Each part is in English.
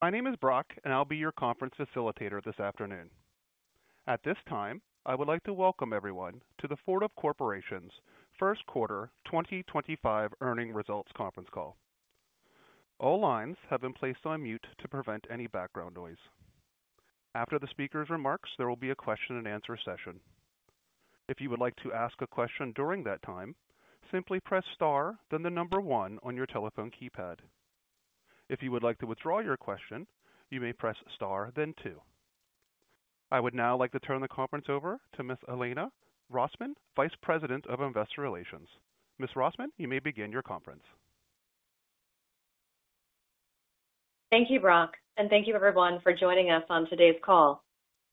My name is Brock, and I'll be your conference facilitator this afternoon. At this time, I would like to welcome everyone to the Fortive Corporation's First Quarter 2025 Earnings Results Conference Call. All lines have been placed on mute to prevent any background noise. After the speaker's remarks, there will be a question-and-answer session. If you would like to ask a question during that time, simply press star, then the number one on your telephone keypad. If you would like to withdraw your question, you may press star, then two. I would now like to turn the conference over to Ms. Elena Rosman, Vice President of Investor Relations. Ms. Rosman, you may begin your conference. Thank you, Brock, and thank you, everyone, for joining us on today's call.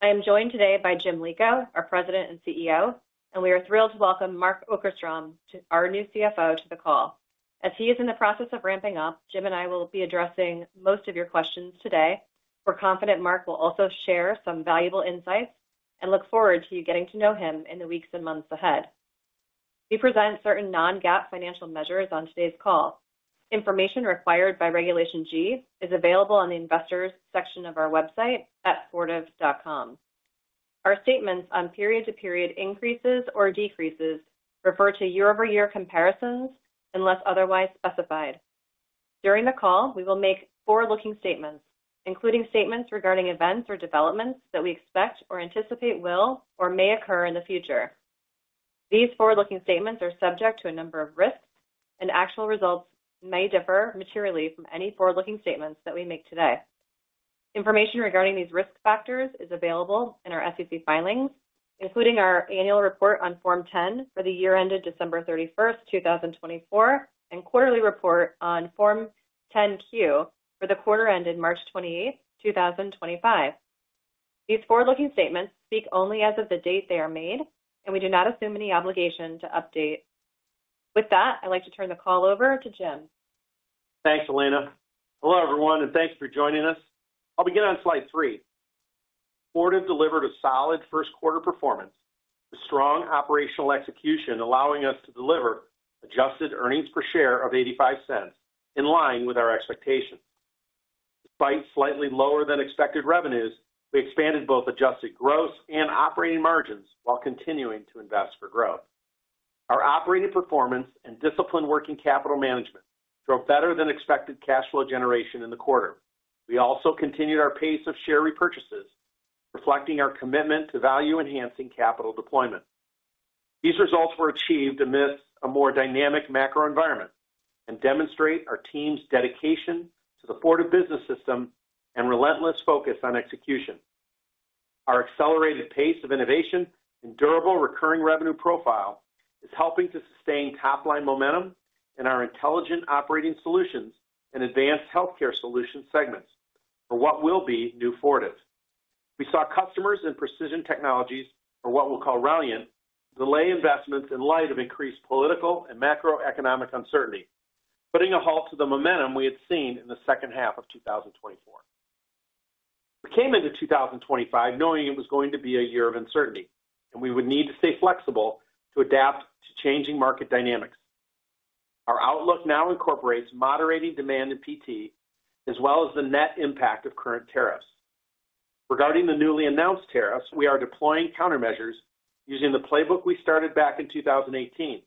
I am joined today by Jim Lico, our President and CEO, and we are thrilled to welcome Mark Okerstrom, our new CFO, to the call. As he is in the process of ramping up, Jim and I will be addressing most of your questions today. We're confident Mark will also share some valuable insights and look forward to you getting to know him in the weeks and months ahead. We present certain non-GAAP financial measures on today's call. Information required by Regulation G is available on the Investors section of our website at fortive.com. Our statements on period-to-period increases or decreases refer to year-over-year comparisons unless otherwise specified. During the call, we will make forward-looking statements, including statements regarding events or developments that we expect or anticipate will or may occur in the future. These forward-looking statements are subject to a number of risks, and actual results may differ materially from any forward-looking statements that we make today. Information regarding these risk factors is available in our SEC filings, including our annual report on Form 10 for the year ended December 31, 2024, and quarterly report on Form 10Q for the quarter ended March 28, 2025. These forward-looking statements speak only as of the date they are made, and we do not assume any obligation to update. With that, I'd like to turn the call over to Jim. Thanks, Elena. Hello, everyone, and thanks for joining us. I'll begin on slide three. Fortive delivered a solid first-quarter performance with strong operational execution, allowing us to deliver adjusted earnings per share of $0.85, in line with our expectations. Despite slightly lower-than-expected revenues, we expanded both adjusted gross and operating margins while continuing to invest for growth. Our operating performance and disciplined working capital management drove better-than-expected cash flow generation in the quarter. We also continued our pace of share repurchases, reflecting our commitment to value-enhancing capital deployment. These results were achieved amidst a more dynamic macro environment and demonstrate our team's dedication to the Fortive Business System and relentless focus on execution. Our accelerated pace of innovation and durable recurring revenue profile is helping to sustain top-line momentum in our Intelligent Operating Solutions and Advanced Healthcare Solutions segments for what will be new Fortives. We saw customers in Precision Technologies for what we'll call Ralliant delay investments in light of increased political and macroeconomic uncertainty, putting a halt to the momentum we had seen in the second half of 2024. We came into 2025 knowing it was going to be a year of uncertainty, and we would need to stay flexible to adapt to changing market dynamics. Our outlook now incorporates moderating demand in PT, as well as the net impact of current tariffs. Regarding the newly announced tariffs, we are deploying countermeasures using the playbook we started back in 2018.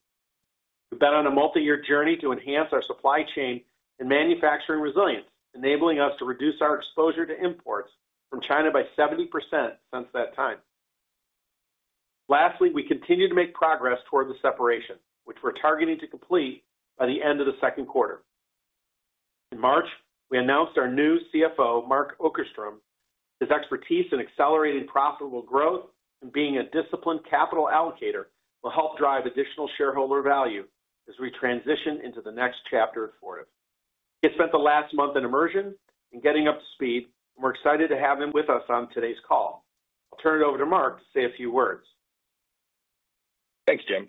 We've been on a multi-year journey to enhance our supply chain and manufacturing resilience, enabling us to reduce our exposure to imports from China by 70% since that time. Lastly, we continue to make progress toward the separation, which we're targeting to complete by the end of the second quarter. In March, we announced our new CFO, Mark Okerstrom. His expertise in accelerating profitable growth and being a disciplined capital allocator will help drive additional shareholder value as we transition into the next chapter at Fortive. He has spent the last month in immersion and getting up to speed, and we're excited to have him with us on today's call. I'll turn it over to Mark to say a few words. Thanks, Jim.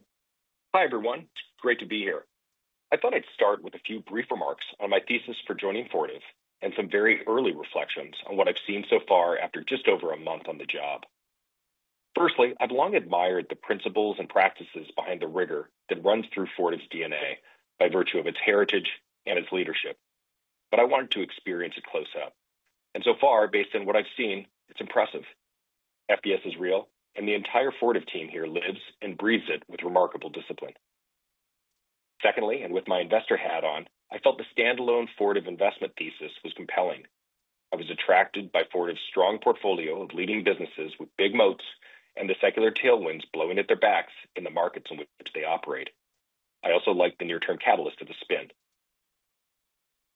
Hi, everyone. It's great to be here. I thought I'd start with a few brief remarks on my thesis for joining Fortive and some very early reflections on what I've seen so far after just over a month on the job. Firstly, I've long admired the principles and practices behind the rigor that runs through Fortive's DNA by virtue of its heritage and its leadership, but I wanted to experience it close up. So far, based on what I've seen, it's impressive. FBS is real, and the entire Fortive team here lives and breathes it with remarkable discipline. Secondly, and with my investor hat on, I felt the standalone Fortive investment thesis was compelling. I was attracted by Fortive's strong portfolio of leading businesses with big moats and the secular tailwinds blowing at their backs in the markets in which they operate. I also liked the near-term catalyst of the spin.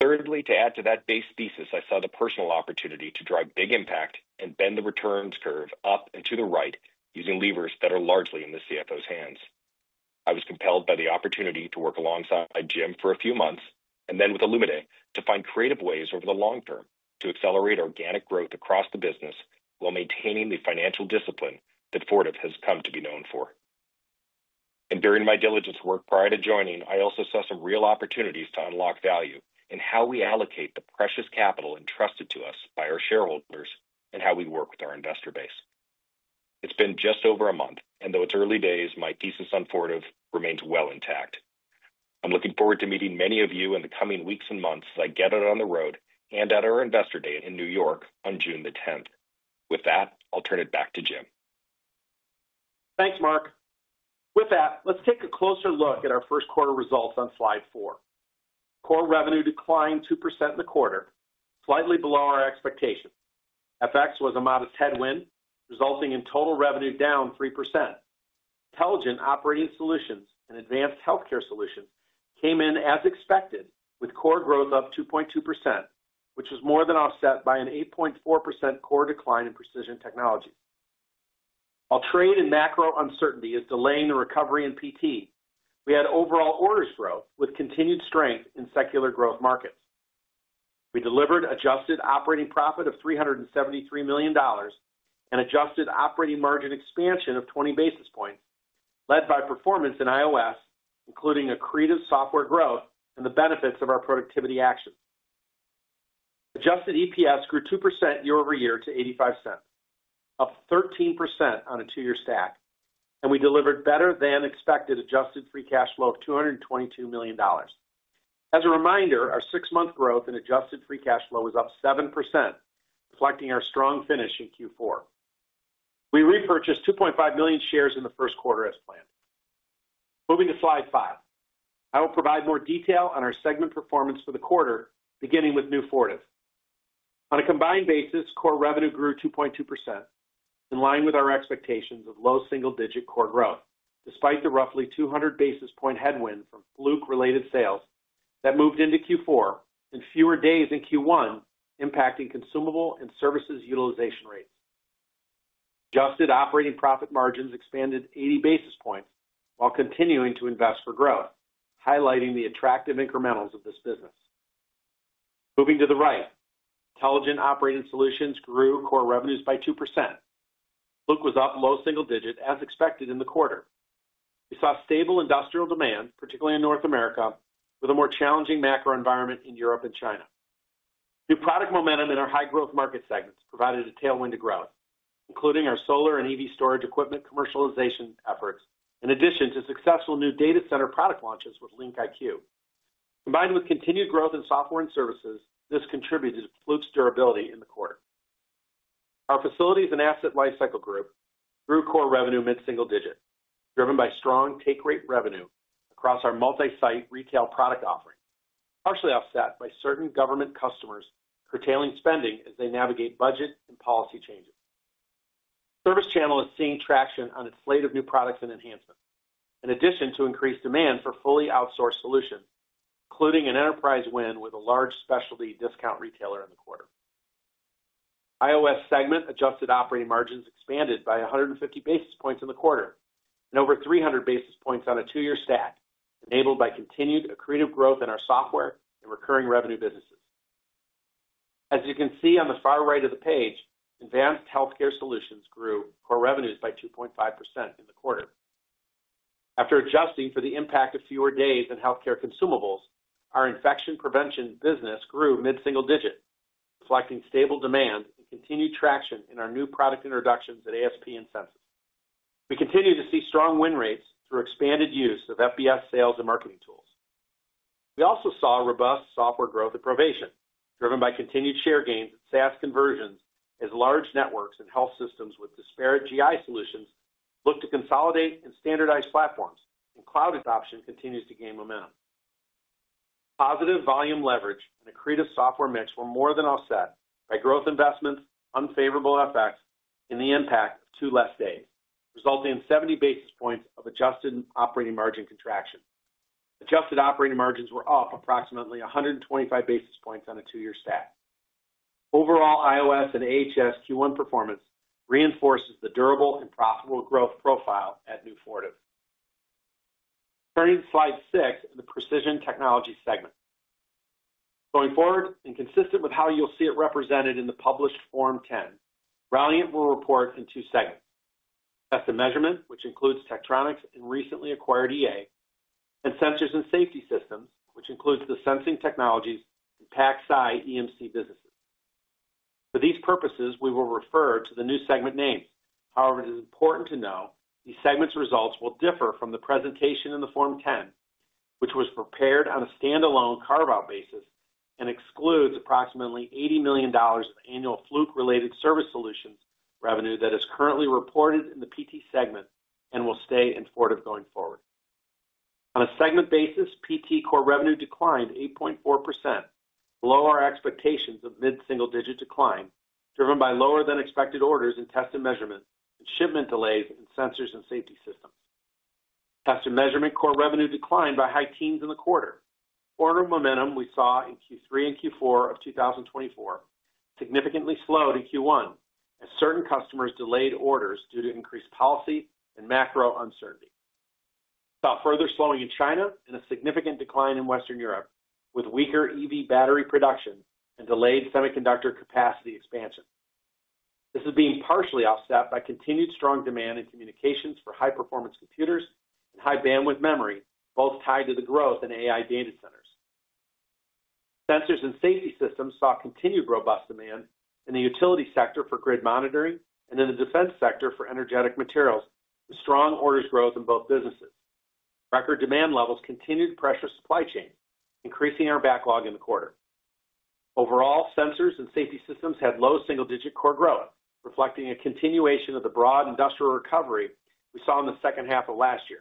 Thirdly, to add to that base thesis, I saw the personal opportunity to drive big impact and bend the returns curve up and to the right using levers that are largely in the CFO's hands. I was compelled by the opportunity to work alongside Jim for a few months and then with Ilan Schneider to find creative ways over the long term to accelerate organic growth across the business while maintaining the financial discipline that Fortive has come to be known for. In during my diligence work prior to joining, I also saw some real opportunities to unlock value in how we allocate the precious capital entrusted to us by our shareholders and how we work with our investor base. It's been just over a month, and though it's early days, my thesis on Fortive remains well intact. I'm looking forward to meeting many of you in the coming weeks and months as I get out on the road and at our investor day in New York on June the 10th. With that, I'll turn it back to Jim. Thanks, Mark. With that, let's take a closer look at our first quarter results on slide four. Core revenue declined 2% in the quarter, slightly below our expectation. FX was a modest headwind, resulting in total revenue down 3%. Intelligent Operating Solutions and Advanced Healthcare Solutions came in as expected, with core growth up 2.2%, which was more than offset by an 8.4% core decline in Precision Technology. While trade and macro uncertainty is delaying the recovery in PT, we had overall orders growth with continued strength in secular growth markets. We delivered adjusted operating profit of $373 million and adjusted operating margin expansion of 20 basis points, led by performance in IOS, including accretive software growth and the benefits of our productivity actions. Adjusted EPS grew 2% year over year to $0.85, up 13% on a 2-year stack, and we delivered better-than-expected adjusted free cash flow of $222 million. As a reminder, our six-month growth in adjusted free cash flow was up 7%, reflecting our strong finish in Q4. We repurchased 2.5 million shares in the first quarter as planned. Moving to slide five, I will provide more detail on our segment performance for the quarter, beginning with new Fortive. On a combined basis, core revenue grew 2.2%, in line with our expectations of low single-digit core growth, despite the roughly 200 basis point headwind from Fluke-related sales that moved into Q4 and fewer days in Q1, impacting consumable and services utilization rates. Adjusted operating profit margins expanded 80 basis points while continuing to invest for growth, highlighting the attractive incrementals of this business. Moving to the right, Intelligent Operating Solutions grew core revenues by 2%. Fluke was up low single digit, as expected in the quarter. We saw stable industrial demand, particularly in North America, with a more challenging macro environment in Europe and China. New product momentum in our high-growth market segments provided a tailwind to growth, including our solar and EV storage equipment commercialization efforts, in addition to successful new data center product launches with LinkIQ. Combined with continued growth in software and services, this contributed to Fluke's durability in the quarter. Our facilities and asset lifecycle group grew core revenue mid-single digit, driven by strong take-rate revenue across our multi-site retail product offering, partially offset by certain government customers curtailing spending as they navigate budget and policy changes. Service Channel is seeing traction on its slate of new products and enhancements, in addition to increased demand for fully outsourced solutions, including an enterprise win with a large specialty discount retailer in the quarter. iOS segment adjusted operating margins expanded by 150 basis points in the quarter and over 300 basis points on a 2-year stack, enabled by continued accretive growth in our software and recurring revenue businesses. As you can see on the far right of the page, Advanced Healthcare Solutions grew core revenues by 2.5% in the quarter. After adjusting for the impact of fewer days in healthcare consumables, our infection prevention business grew mid-single digit, reflecting stable demand and continued traction in our new product introductions at ASP and Census. We continue to see strong win rates through expanded use of FBS sales and marketing tools. We also saw robust software growth at Provation, driven by continued share gains and SaaS conversions, as large networks and health systems with disparate GI solutions look to consolidate and standardize platforms, and cloud adoption continues to gain momentum. Positive volume leverage and accretive software mix were more than offset by growth investments, unfavorable FX, and the impact of 2 less days, resulting in 70 basis points of adjusted operating margin contraction. Adjusted operating margins were up approximately 125 basis points on a two-year stack. Overall, iOS and AHS Q1 performance reinforces the durable and profitable growth profile at new Fortive. Turning to slide six in the precision technology segment. Going forward and consistent with how you'll see it represented in the published Form 10, Ralliant will report in two segments: test and measurement, which includes Tektronix and recently acquired EA, and sensors and safety systems, which includes the sensing technologies and PacSci EMC businesses. For these purposes, we will refer to the new segment names. However, it is important to know these segments' results will differ from the presentation in the Form 10, which was prepared on a standalone carve-out basis and excludes approximately $80 million of annual Fluke-related service solutions revenue that is currently reported in the PT segment and will stay in Fortive going forward. On a segment basis, PT core revenue declined 8.4%, below our expectations of mid-single digit decline, driven by lower-than-expected orders in test and measurement and shipment delays in sensors and safety systems. Test and measurement core revenue declined by high teens in the quarter. Quarter momentum we saw in Q3 and Q4 of 2024 significantly slowed in Q1, as certain customers delayed orders due to increased policy and macro uncertainty. We saw further slowing in China and a significant decline in Western Europe with weaker EV battery production and delayed semiconductor capacity expansion. This is being partially offset by continued strong demand in communications for high-performance computers and high-bandwidth memory, both tied to the growth in AI data centers. Sensors and safety systems saw continued robust demand in the utility sector for grid monitoring and in the defense sector for energetic materials, with strong orders growth in both businesses. Record demand levels continued to pressure supply chains, increasing our backlog in the quarter. Overall, sensors and safety systems had low single-digit core growth, reflecting a continuation of the broad industrial recovery we saw in the second half of last year,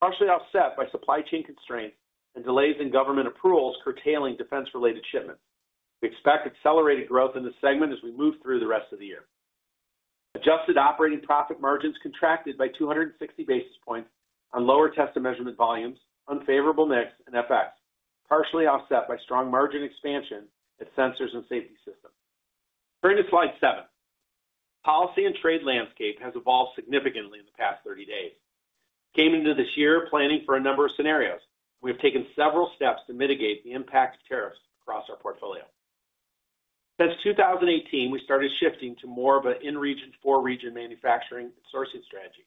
partially offset by supply chain constraints and delays in government approvals curtailing defense-related shipments. We expect accelerated growth in the segment as we move through the rest of the year. Adjusted operating profit margins contracted by 260 basis points on lower test and measurement volumes, unfavorable mix, and FX, partially offset by strong margin expansion at sensors and safety systems. Turning to slide seven, policy and trade landscape has evolved significantly in the past 30 days. Came into this year planning for a number of scenarios. We have taken several steps to mitigate the impact of tariffs across our portfolio. Since 2018, we started shifting to more of an in-region for region manufacturing and sourcing strategy,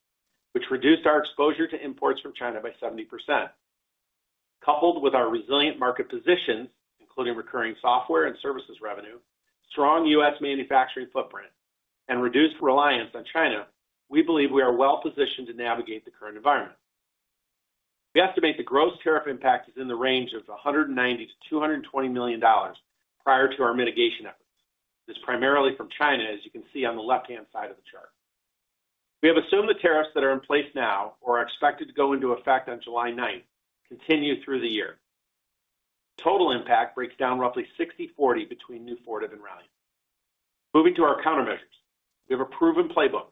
which reduced our exposure to imports from China by 70%. Coupled with our resilient market positions, including recurring software and services revenue, strong U.S. manufacturing footprint, and reduced reliance on China, we believe we are well-positioned to navigate the current environment. We estimate the gross tariff impact is in the range of $190 million-$220 million prior to our mitigation efforts. This is primarily from China, as you can see on the left-hand side of the chart. We have assumed the tariffs that are in place now or are expected to go into effect on July 9th continue through the year. Total impact breaks down roughly 60/40 between new Fortive and Ralliant. Moving to our countermeasures, we have a proven playbook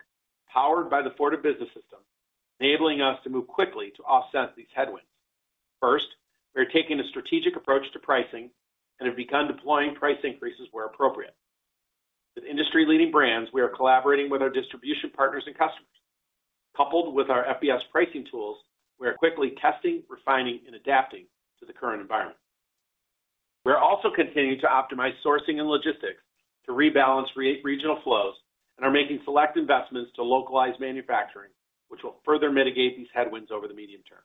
powered by the Fortive Business System, enabling us to move quickly to offset these headwinds. First, we are taking a strategic approach to pricing and have begun deploying price increases where appropriate. With industry-leading brands, we are collaborating with our distribution partners and customers. Coupled with our FBS pricing tools, we are quickly testing, refining, and adapting to the current environment. We are also continuing to optimize sourcing and logistics to rebalance regional flows and are making select investments to localize manufacturing, which will further mitigate these headwinds over the medium term.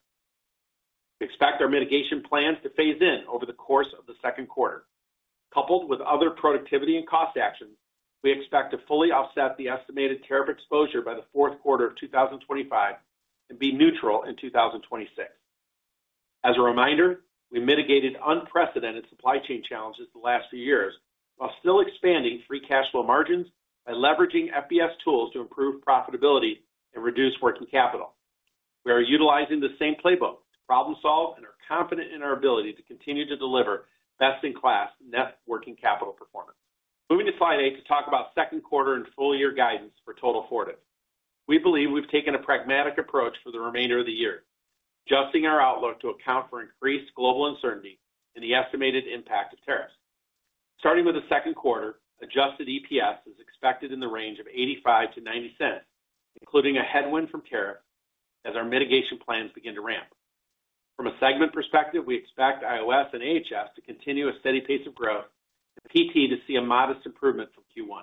We expect our mitigation plans to phase in over the course of the second quarter. Coupled with other productivity and cost actions, we expect to fully offset the estimated tariff exposure by the fourth quarter of 2025 and be neutral in 2026. As a reminder, we mitigated unprecedented supply chain challenges the last few years while still expanding free cash flow margins by leveraging FBS tools to improve profitability and reduce working capital. We are utilizing the same playbook to problem-solve and are confident in our ability to continue to deliver best-in-class net working capital performance. Moving to slide eight to talk about second quarter and full-year guidance for total Fortive. We believe we've taken a pragmatic approach for the remainder of the year, adjusting our outlook to account for increased global uncertainty and the estimated impact of tariffs. Starting with the second quarter, adjusted EPS is expected in the range of $0.85-$0.90, including a headwind from tariffs as our mitigation plans begin to ramp. From a segment perspective, we expect IOS and AHS to continue a steady pace of growth and PT to see a modest improvement from Q1.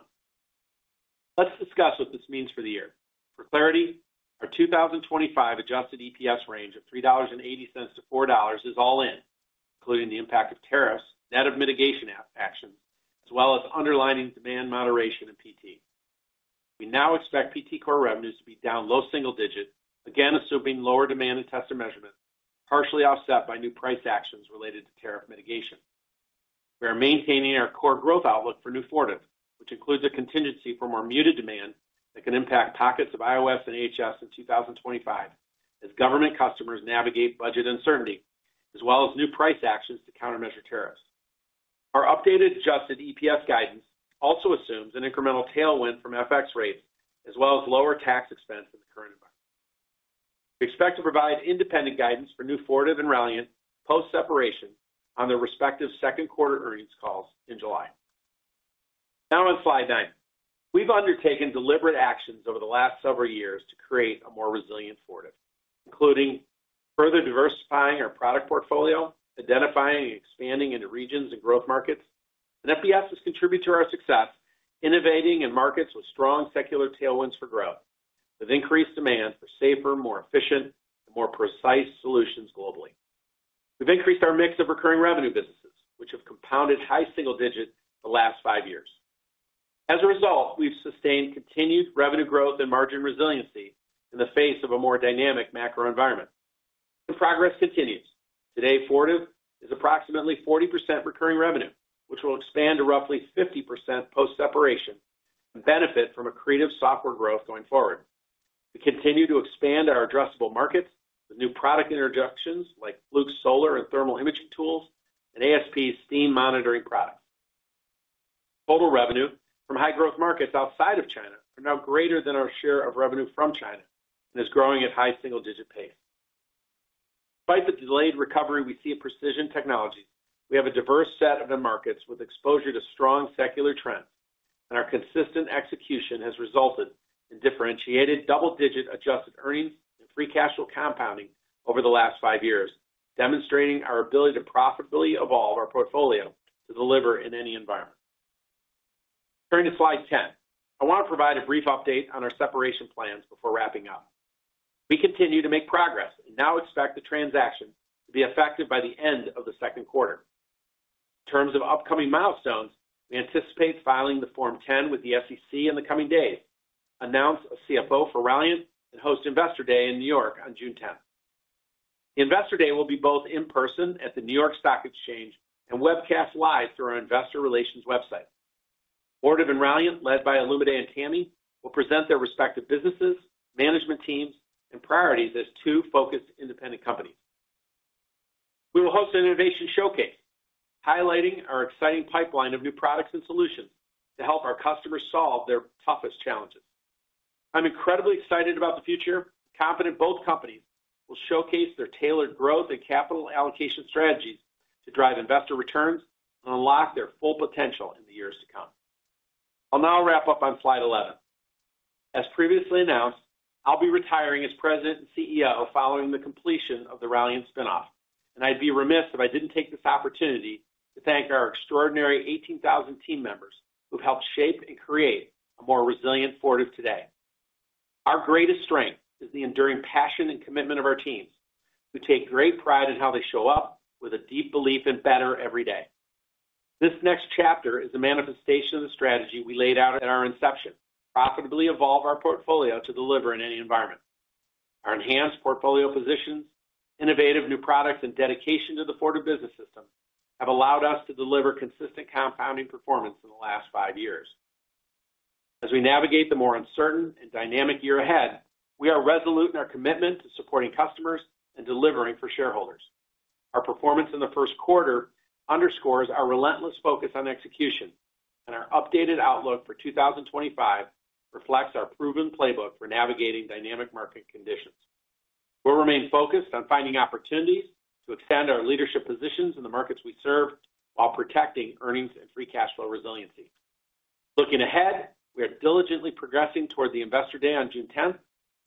Let's discuss what this means for the year. For clarity, our 2025 adjusted EPS range of $3.80-$4 is all in, including the impact of tariffs, net of mitigation actions, as well as underlining demand moderation in PT. We now expect PT core revenues to be down low single digit, again assuming lower demand in test and measurement, partially offset by new price actions related to tariff mitigation. We are maintaining our core growth outlook for new Fortive, which includes a contingency for more muted demand that can impact pockets of IOS and AHS in 2025 as government customers navigate budget uncertainty, as well as new price actions to countermeasure tariffs. Our updated adjusted EPS guidance also assumes an incremental tailwind from FX rates, as well as lower tax expense in the current environment. We expect to provide independent guidance for new Fortive and Ralliant post-separation on their respective second quarter earnings calls in July. Now on slide nine, we have undertaken deliberate actions over the last several years to create a more resilient Fortive, including further diversifying our product portfolio, identifying and expanding into regions and growth markets. FBS has contributed to our success, innovating in markets with strong secular tailwinds for growth, with increased demand for safer, more efficient, and more precise solutions globally. We've increased our mix of recurring revenue businesses, which have compounded high single digit the last five years. As a result, we've sustained continued revenue growth and margin resiliency in the face of a more dynamic macro environment. Progress continues. Today, Fortive is approximately 40% recurring revenue, which will expand to roughly 50% post-separation and benefit from accretive software growth going forward. We continue to expand our addressable markets with new product introductions like Fluke's solar and thermal imaging tools and ASP's steam monitoring products. Total revenue from high-growth markets outside of China are now greater than our share of revenue from China and is growing at high single-digit pace. Despite the delayed recovery, we see a precision technology. We have a diverse set of markets with exposure to strong secular trends, and our consistent execution has resulted in differentiated double-digit adjusted earnings and free cash flow compounding over the last five years, demonstrating our ability to profitably evolve our portfolio to deliver in any environment. Turning to slide 10, I want to provide a brief update on our separation plans before wrapping up. We continue to make progress and now expect the transaction to be effective by the end of the second quarter. In terms of upcoming milestones, we anticipate filing the Form 10 with the SEC in the coming days, announce a CFO for Ralliant, and host Investor Day in New York on June 10th. The Investor Day will be both in person at the New York Stock Exchange and webcast live through our investor relations website. Fortive and Ralliant, led by Olumide and Tami, will present their respective businesses, management teams, and priorities as two focused independent companies. We will host an innovation showcase highlighting our exciting pipeline of new products and solutions to help our customers solve their toughest challenges. I'm incredibly excited about the future. Confident both companies will showcase their tailored growth and capital allocation strategies to drive investor returns and unlock their full potential in the years to come. I'll now wrap up on slide 11. As previously announced, I'll be retiring as President and CEO following the completion of the Ralliant spinoff, and I'd be remiss if I didn't take this opportunity to thank our extraordinary 18,000 team members who've helped shape and create a more resilient Fortive today. Our greatest strength is the enduring passion and commitment of our teams, who take great pride in how they show up with a deep belief in better every day. This next chapter is a manifestation of the strategy we laid out at our inception, profitably evolve our portfolio to deliver in any environment. Our enhanced portfolio positions, innovative new products, and dedication to the Fortive Business System have allowed us to deliver consistent compounding performance in the last five years. As we navigate the more uncertain and dynamic year ahead, we are resolute in our commitment to supporting customers and delivering for shareholders. Our performance in the first quarter underscores our relentless focus on execution, and our updated outlook for 2025 reflects our proven playbook for navigating dynamic market conditions. We'll remain focused on finding opportunities to extend our leadership positions in the markets we serve while protecting earnings and free cash flow resiliency. Looking ahead, we are diligently progressing toward the Investor Day on June 10th,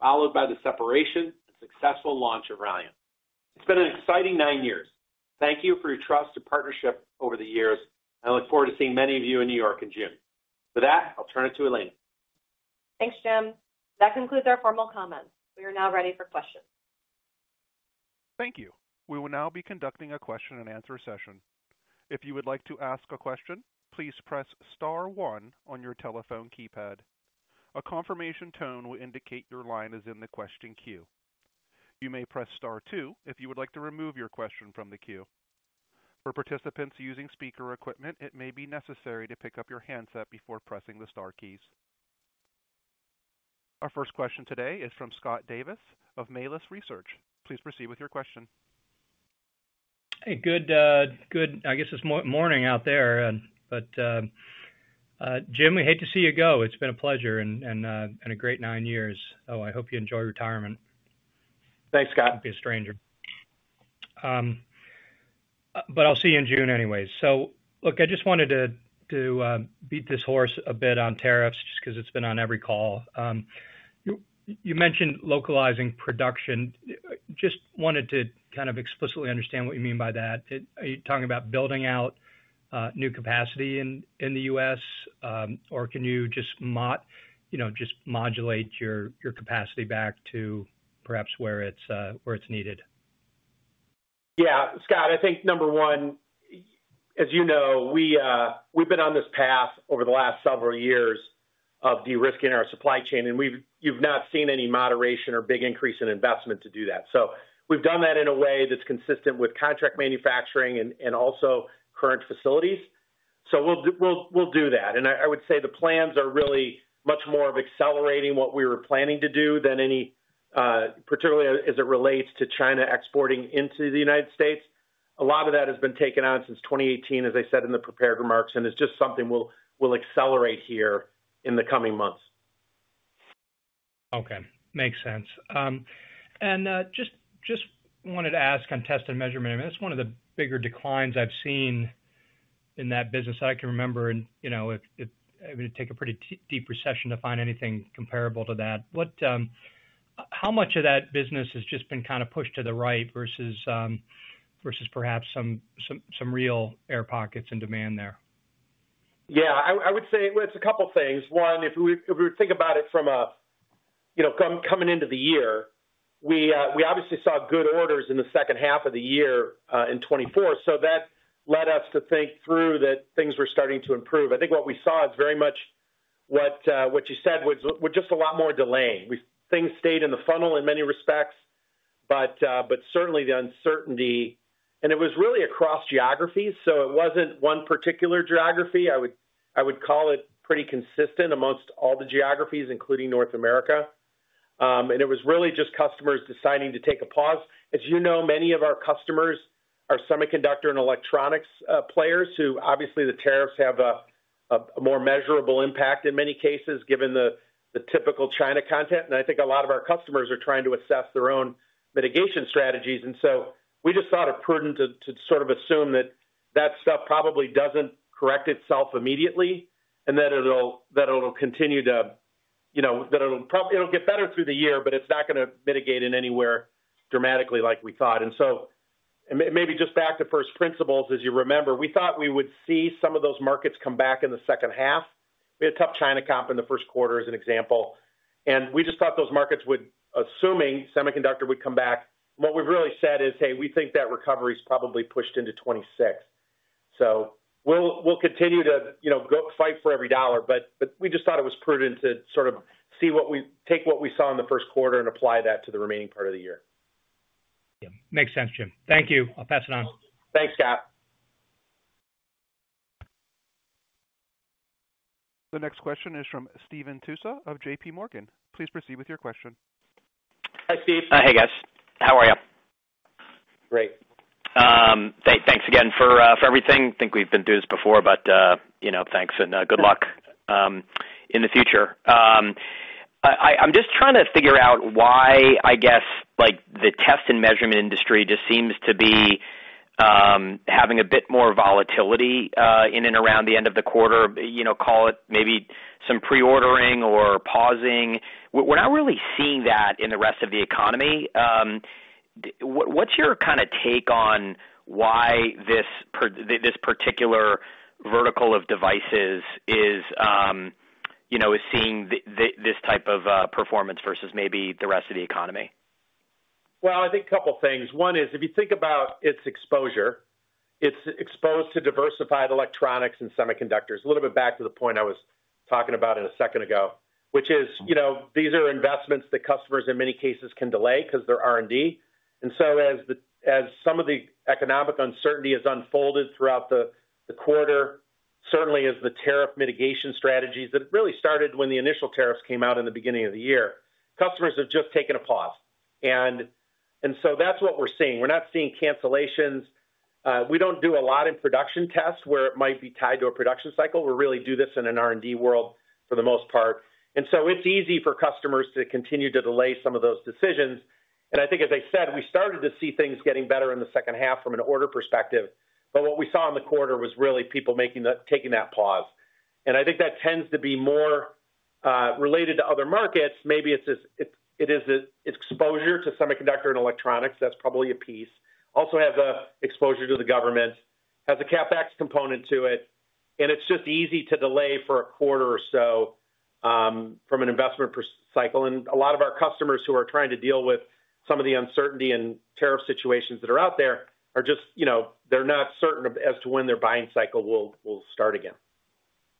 followed by the separation and successful launch of Ralliant. It's been an exciting nine years. Thank you for your trust and partnership over the years, and I look forward to seeing many of you in New York in June. With that, I'll turn it to Elena. Thanks, Jim. That concludes our formal comments. We are now ready for questions. Thank you. We will now be conducting a question and answer session. If you would like to ask a question, please press Star 1 on your telephone keypad. A confirmation tone will indicate your line is in the question queue. You may press Star 2 if you would like to remove your question from the queue. For participants using speaker equipment, it may be necessary to pick up your handset before pressing the Star keys. Our first question today is from Scott Davis of Melius Research. Please proceed with your question. Hey, good, good, I guess it's morning out there, but Jim, we hate to see you go. It's been a pleasure and a great nine years. Oh, I hope you enjoy retirement. Thanks, Scott. Don't be a stranger. I'll see you in June anyways. Look, I just wanted to beat this horse a bit on tariffs just because it's been on every call. You mentioned localizing production. Just wanted to kind of explicitly understand what you mean by that. Are you talking about building out new capacity in the U.S., or can you just modulate your capacity back to perhaps where it's needed? Yeah, Scott, I think number one, as you know, we've been on this path over the last several years of de-risking our supply chain, and you've not seen any moderation or big increase in investment to do that. We've done that in a way that's consistent with contract manufacturing and also current facilities. We'll do that. I would say the plans are really much more of accelerating what we were planning to do than any, particularly as it relates to China exporting into the U.S. A lot of that has been taken on since 2018, as I said in the prepared remarks, and it's just something we'll accelerate here in the coming months. Okay, makes sense. I just wanted to ask on test and measurement, I mean, that's one of the bigger declines I've seen in that business that I can remember. It would take a pretty deep recession to find anything comparable to that. How much of that business has just been kind of pushed to the right versus perhaps some real air pockets and demand there? Yeah, I would say, it's a couple of things. One, if we were to think about it from coming into the year, we obviously saw good orders in the second half of the year in 2024. That led us to think through that things were starting to improve. I think what we saw is very much what you said, with just a lot more delaying. Things stayed in the funnel in many respects, but certainly the uncertainty, and it was really across geographies. It was not one particular geography. I would call it pretty consistent amongst all the geographies, including North America. It was really just customers deciding to take a pause. As you know, many of our customers are semiconductor and electronics players who obviously the tariffs have a more measurable impact in many cases given the typical China content. I think a lot of our customers are trying to assess their own mitigation strategies. We just thought it prudent to sort of assume that that stuff probably does not correct itself immediately and that it will continue to, that it will get better through the year, but it is not going to mitigate in anywhere dramatically like we thought. Maybe just back to first principles, as you remember, we thought we would see some of those markets come back in the second half. We had a tough China comp in the first quarter as an example. We just thought those markets would, assuming semiconductor would come back. What we've really said is, hey, we think that recovery is probably pushed into 2026. We will continue to fight for every dollar, but we just thought it was prudent to sort of take what we saw in the first quarter and apply that to the remaining part of the year. Yeah, makes sense, Jim. Thank you. I'll pass it on. Thanks, Scott. The next question is from Steve Tusa of JP Morgan. Please proceed with your question. Hi, Steve. Hey, guys. How are you? Great. Thanks again for everything. I think we've been through this before, but thanks and good luck in the future. I'm just trying to figure out why, I guess, the test and measurement industry just seems to be having a bit more volatility in and around the end of the quarter, call it maybe some pre-ordering or pausing. We're not really seeing that in the rest of the economy. What's your kind of take on why this particular vertical of devices is seeing this type of performance versus maybe the rest of the economy? I think a couple of things. One is, if you think about its exposure, it's exposed to diversified electronics and semiconductors, a little bit back to the point I was talking about a second ago, which is these are investments that customers in many cases can delay because they're R&D. As some of the economic uncertainty has unfolded throughout the quarter, certainly as the tariff mitigation strategies that really started when the initial tariffs came out in the beginning of the year, customers have just taken a pause. That is what we are seeing. We are not seeing cancellations. We do not do a lot in production tests where it might be tied to a production cycle. We really do this in an R&D world for the most part. It is easy for customers to continue to delay some of those decisions. I think, as I said, we started to see things getting better in the second half from an order perspective. What we saw in the quarter was really people taking that pause. I think that tends to be more related to other markets. Maybe it is exposure to semiconductor and electronics. That's probably a piece. Also have exposure to the government. Has a CapEx component to it. It's just easy to delay for a quarter or so from an investment cycle. A lot of our customers who are trying to deal with some of the uncertainty and tariff situations that are out there are just, they're not certain as to when their buying cycle will start again.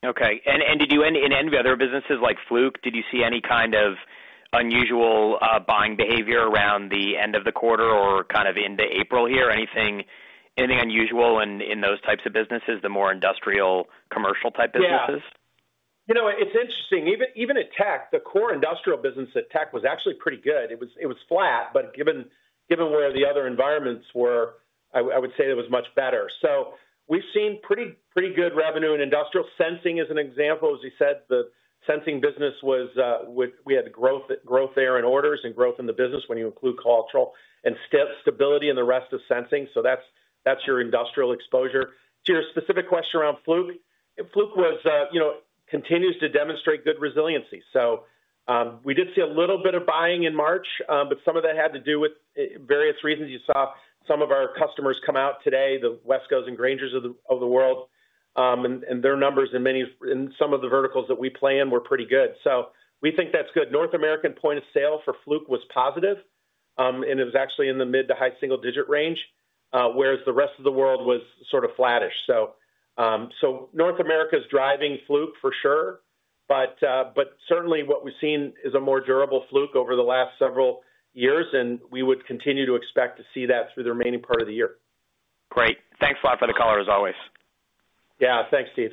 Okay. Did you end in any other businesses like Fluke? Did you see any kind of unusual buying behavior around the end of the quarter or kind of into April here? Anything unusual in those types of businesses, the more industrial, commercial type businesses? Yeah. You know what? It's interesting. Even at tech, the core industrial business at tech was actually pretty good. It was flat, but given where the other environments were, I would say it was much better. We've seen pretty good revenue in industrial. Sensing is an example, as you said, the sensing business was, we had growth there in orders and growth in the business when you include cultural and stability in the rest of sensing. That's your industrial exposure. To your specific question around Fluke, Fluke continues to demonstrate good resiliency. We did see a little bit of buying in March, but some of that had to do with various reasons. You saw some of our customers come out today, the West Coast and Grainger of the world, and their numbers in some of the verticals that we play in were pretty good. We think that's good. North American point of sale for Fluke was positive, and it was actually in the mid to high single digit range, whereas the rest of the world was sort of flattish. North America is driving Fluke for sure, but certainly what we've seen is a more durable Fluke over the last several years, and we would continue to expect to see that through the remaining part of the year. Great. Thanks a lot for the call, as always. Yeah, thanks, Steve.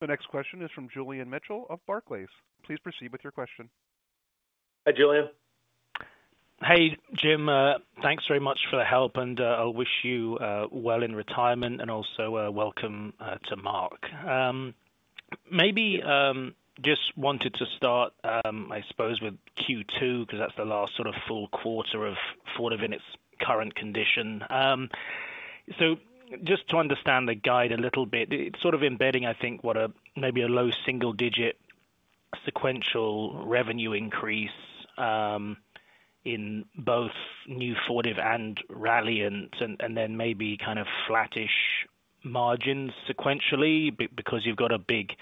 The next question is from Julian Mitchell of Barclays. Please proceed with your question. Hi, Julian. Hey, Jim. Thanks very much for the help, and I wish you well in retirement and also welcome to Mark. Maybe just wanted to start, I suppose, with Q2 because that's the last sort of full quarter of Fortive in its current condition. Just to understand the guide a little bit, it's sort of embedding, I think, what may be a low single digit sequential revenue increase in both new Fortive and Ralliant, and then maybe kind of flattish margins sequentially because you've got a big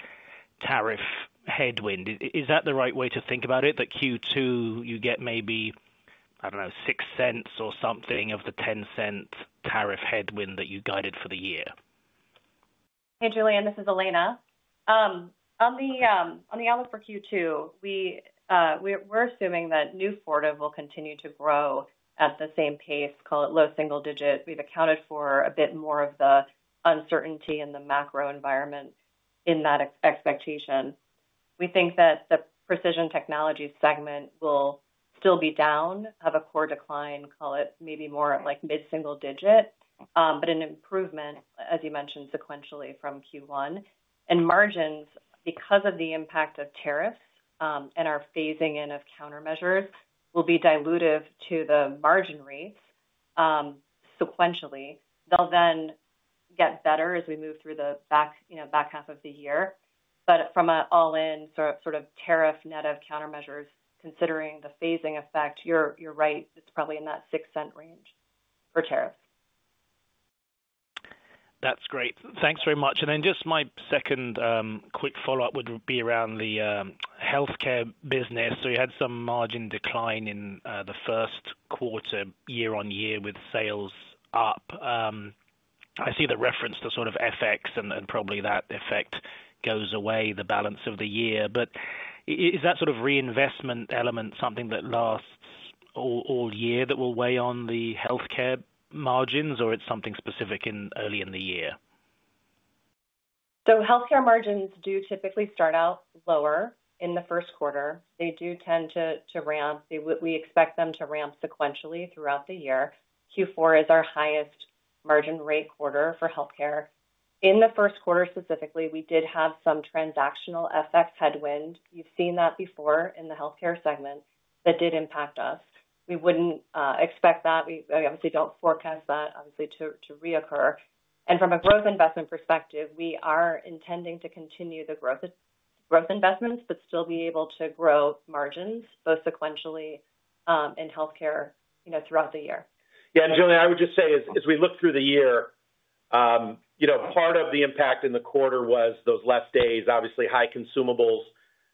tariff headwind. Is that the right way to think about it, that Q2 you get maybe, I don't know, $0.06 or something of the $0.10 tariff headwind that you guided for the year? Hey, Julian, this is Elena. On the outlook for Q2, we're assuming that new Fortive will continue to grow at the same pace, call it low single digit. We've accounted for a bit more of the uncertainty in the macro environment in that expectation. We think that the Precision Technologies segment will still be down, have a core decline, call it maybe more like mid single digit, but an improvement, as you mentioned, sequentially from Q1. Margins, because of the impact of tariffs and our phasing in of countermeasures, will be dilutive to the margin rates sequentially. They will then get better as we move through the back half of the year. From an all-in sort of tariff net of countermeasures, considering the phasing effect, you are right, it is probably in that $0.06 range for tariffs. That is great. Thanks very much. My second quick follow-up would be around the healthcare business. You had some margin decline in the first quarter year on year with sales up. I see the reference to sort of FX, and probably that effect goes away, the balance of the year. Is that sort of reinvestment element something that lasts all year that will weigh on the healthcare margins, or it's something specific early in the year? Healthcare margins do typically start out lower in the first quarter. They do tend to ramp. We expect them to ramp sequentially throughout the year. Q4 is our highest margin rate quarter for healthcare. In the first quarter specifically, we did have some transactional FX headwind. You've seen that before in the healthcare segment that did impact us. We wouldn't expect that. We obviously don't forecast that, obviously, to reoccur. From a growth investment perspective, we are intending to continue the growth investments, but still be able to grow margins both sequentially in healthcare throughout the year. Yeah, and Julian, I would just say as we look through the year, part of the impact in the quarter was those less days, obviously high consumables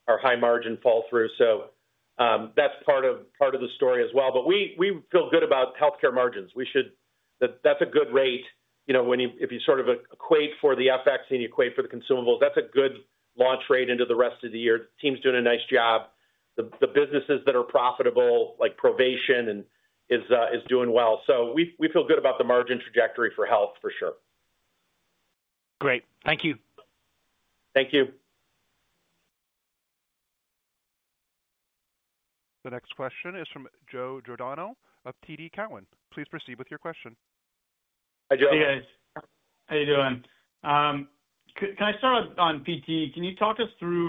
or high margin fall through. That's part of the story as well. We feel good about healthcare margins. That's a good rate. If you sort of equate for the FX and you equate for the consumables, that's a good launch rate into the rest of the year. The team's doing a nice job. The businesses that are profitable, like Provation, is doing well. We feel good about the margin trajectory for health, for sure. Great. Thank you. Thank you. The next question is from Joe Giordano of TD Cowen. Please proceed with your question. Hi, Joe. Hey, guys. How are you doing? Can I start on PT? Can you talk us through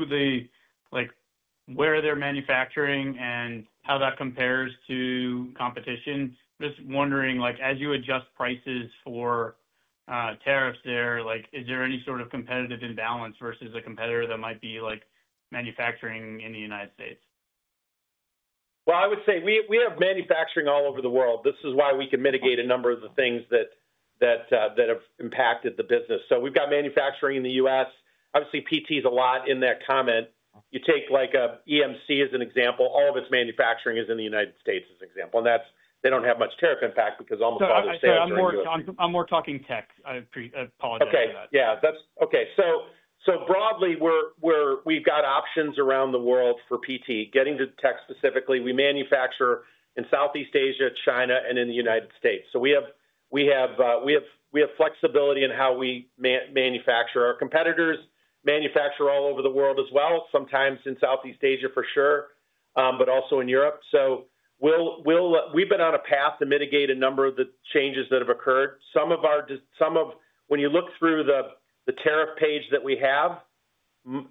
where they're manufacturing and how that compares to competition? Just wondering, as you adjust prices for tariffs there, is there any sort of competitive imbalance versus a competitor that might be manufacturing in the U.S.? I would say we have manufacturing all over the world. This is why we can mitigate a number of the things that have impacted the business. We've got manufacturing in the U.S. Obviously, PT is a lot in that comment. You take EMC as an example. All of its manufacturing is in the United States as an example. They do not have much tariff impact because almost all their sales are here. I'm more talking tech. I apologize for that. Yeah. Okay. Broadly, we've got options around the world for PT, getting to tech specifically. We manufacture in Southeast Asia, China, and in the United States. We have flexibility in how we manufacture. Our competitors manufacture all over the world as well, sometimes in Southeast Asia for sure, but also in Europe. We have been on a path to mitigate a number of the changes that have occurred. Some of our, when you look through the tariff page that we have,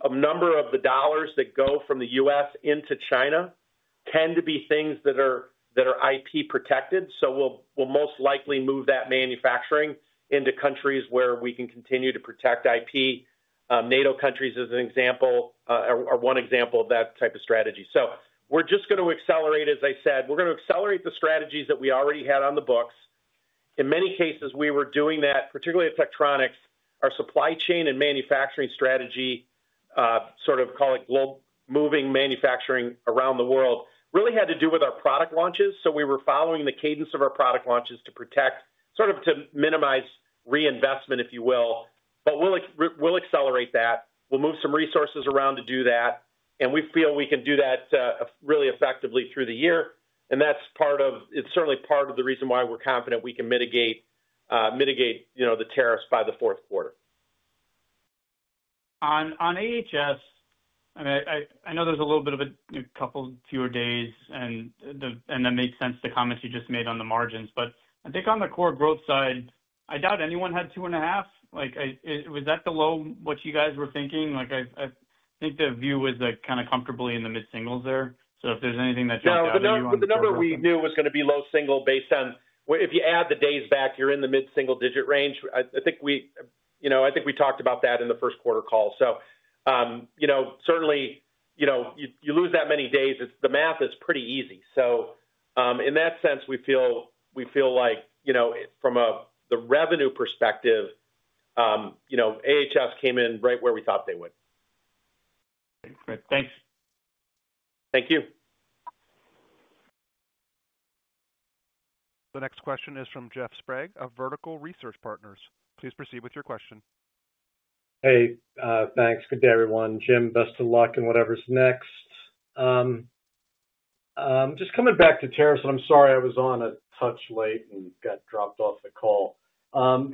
a number of the dollars that go from the US into China tend to be things that are IP protected. We will most likely move that manufacturing into countries where we can continue to protect IP. NATO countries is an example, or one example of that type of strategy. We are just going to accelerate, as I said, we are going to accelerate the strategies that we already had on the books. In many cases, we were doing that, particularly at Tektronix, our supply chain and manufacturing strategy, sort of call it global moving manufacturing around the world, really had to do with our product launches. We were following the cadence of our product launches to protect, sort of to minimize reinvestment, if you will. We will accelerate that. We will move some resources around to do that. We feel we can do that really effectively through the year. That is certainly part of the reason why we are confident we can mitigate the tariffs by the fourth quarter. On AHS, I mean, I know there is a little bit of a couple fewer days, and that makes sense to comments you just made on the margins. I think on the core growth side, I doubt anyone had 2.5. Was that the low what you guys were thinking? I think the view was kind of comfortably in the mid singles there. If there's anything that jumped out to you. No, the number we knew was going to be low single based on if you add the days back, you're in the mid single digit range. I think we talked about that in the first quarter call. Certainly, you lose that many days. The math is pretty easy. In that sense, we feel like from the revenue perspective, AHS came in right where we thought they would. Great. Thanks. Thank you. The next question is from Jeff Sprague of Vertical Research Partners. Please proceed with your question. Hey, thanks. Good day, everyone. Jim, best of luck in whatever's next. Just coming back to tariffs, and I'm sorry I was on a touch late and got dropped off the call.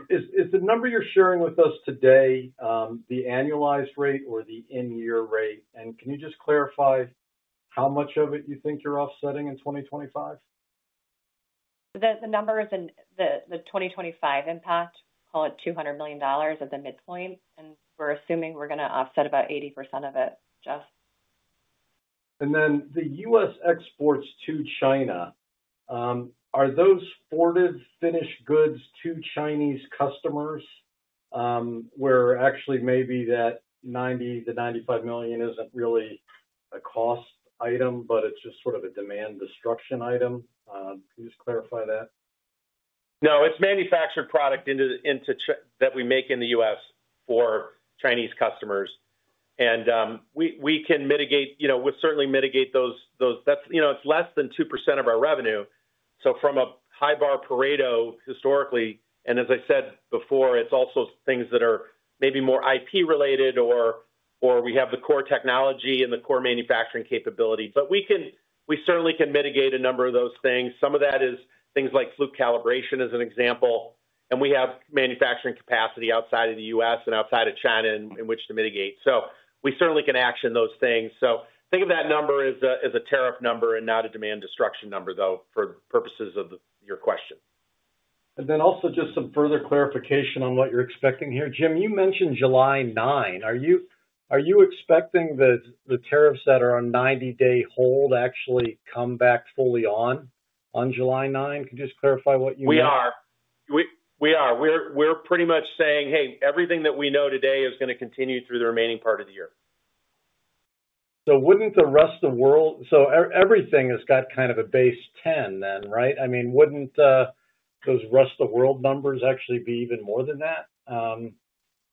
Is the number you're sharing with us today the annualized rate or the in-year rate? Can you just clarify how much of it you think you're offsetting in 2025? The number is in the 2025 impact, call it $200 million at the midpoint. We're assuming we're going to offset about 80% of it. The US exports to China, are those Fortive finished goods to Chinese customers where actually maybe that $90 million-$95 million isn't really a cost item, but it's just sort of a demand destruction item? Can you just clarify that? No, it's manufactured product that we make in the US for Chinese customers. We can mitigate, we'll certainly mitigate those. It's less than 2% of our revenue. From a high-bar Pareto, historically, and as I said before, it's also things that are maybe more IP related or we have the core technology and the core manufacturing capability. We certainly can mitigate a number of those things. Some of that is things like Fluke Calibration as an example. We have manufacturing capacity outside of the U.S. and outside of China in which to mitigate. We certainly can action those things. Think of that number as a tariff number and not a demand destruction number, though, for purposes of your question. Also, just some further clarification on what you're expecting here. Jim, you mentioned July 9. Are you expecting the tariffs that are on 90-day hold actually come back fully on July 9? Could you just clarify what you mean? We are. We are. We're pretty much saying, "Hey, everything that we know today is going to continue through the remaining part of the year." Wouldn't the rest of the world, so everything has got kind of a base 10 then, right? I mean, wouldn't those rest of the world numbers actually be even more than that?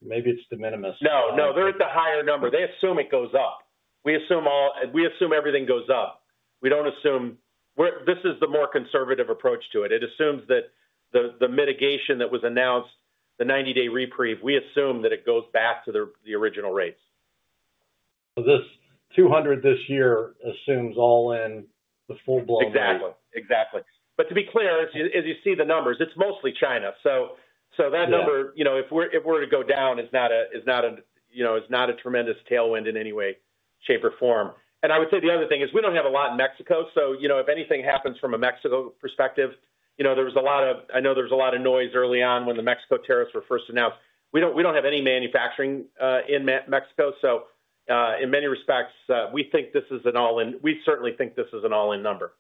Maybe it's de minimis. No, no. They're at the higher number. They assume it goes up. We assume everything goes up. We don't assume this is the more conservative approach to it. It assumes that the mitigation that was announced, the 90-day reprieve, we assume that it goes back to the original rates. So this 200 this year assumes all in the full blown market. Exactly. Exactly. But to be clear, as you see the numbers, it's mostly China. That number, if we're to go down, it's not a tremendous tailwind in any way, shape, or form. I would say the other thing is we don't have a lot in Mexico. If anything happens from a Mexico perspective, there was a lot of noise early on when the Mexico tariffs were first announced. We don't have any manufacturing in Mexico. In many respects, we think this is an all-in, we certainly think this is an all-in number.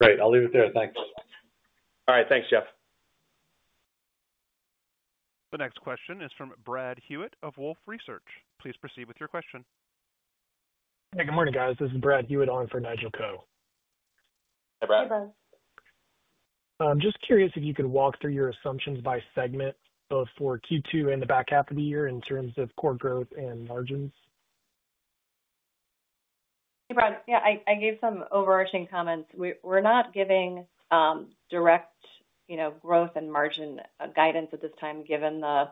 Great. I'll leave it there. Thanks. All right. Thanks, Jeff. The next question is from Brad Hewitt of Wolfe Research. Please proceed with your question. Hey, good morning, guys. This is Brad Hewitt on for Nigel Co. Hi, Brad. Hey, Brad. I'm just curious if you could walk through your assumptions by segment, both for Q2 and the back half of the year in terms of core growth and margins. Hey, Brad. Yeah, I gave some overarching comments. We're not giving direct growth and margin guidance at this time given the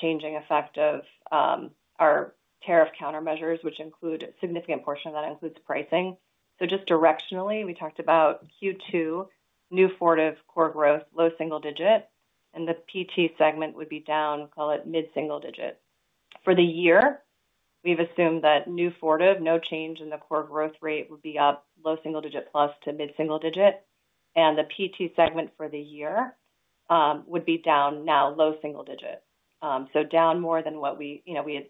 changing effect of our tariff countermeasures, which include a significant portion of that includes pricing. Just directionally, we talked about Q2, new Fortive core growth, low single digit. The PT segment would be down, call it mid single digit. For the year, we've assumed that new Fortive, no change in the core growth rate, would be up, low single digit plus to mid single digit. The PT segment for the year would be down now, low single digit. Down more than what we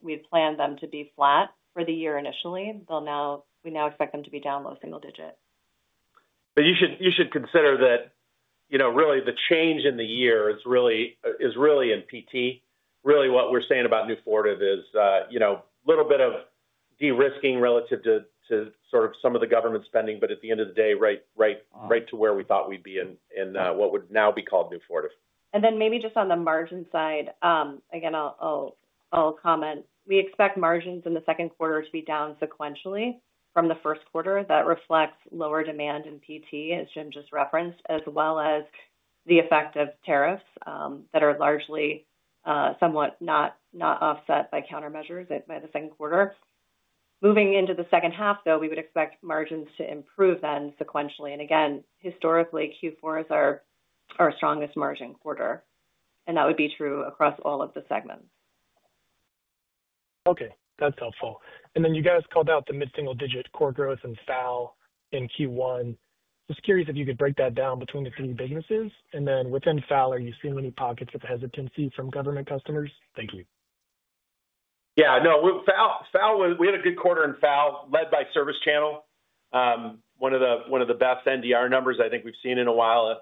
had planned them to be flat for the year initially. We now expect them to be down low single digit. You should consider that really the change in the year is really in PT. Really, what we're saying about new Fortive is a little bit of de-risking relative to sort of some of the government spending, but at the end of the day, right to where we thought we'd be in what would now be called new Fortive. Maybe just on the margin side, again, I'll comment. We expect margins in the second quarter to be down sequentially from the first quarter. That reflects lower demand in PT, as Jim just referenced, as well as the effect of tariffs that are largely somewhat not offset by countermeasures by the second quarter. Moving into the second half, though, we would expect margins to improve then sequentially. Again, historically, Q4 is our strongest margin quarter. That would be true across all of the segments. Okay. That's helpful. You guys called out the mid single digit core growth in FOWL in Q1. Just curious if you could break that down between the three businesses. Within FOWL, are you seeing any pockets of hesitancy from government customers? Thank you. Yeah. No, we had a good quarter in FOWL led by Service Channel, one of the best NDR numbers I think we've seen in a while.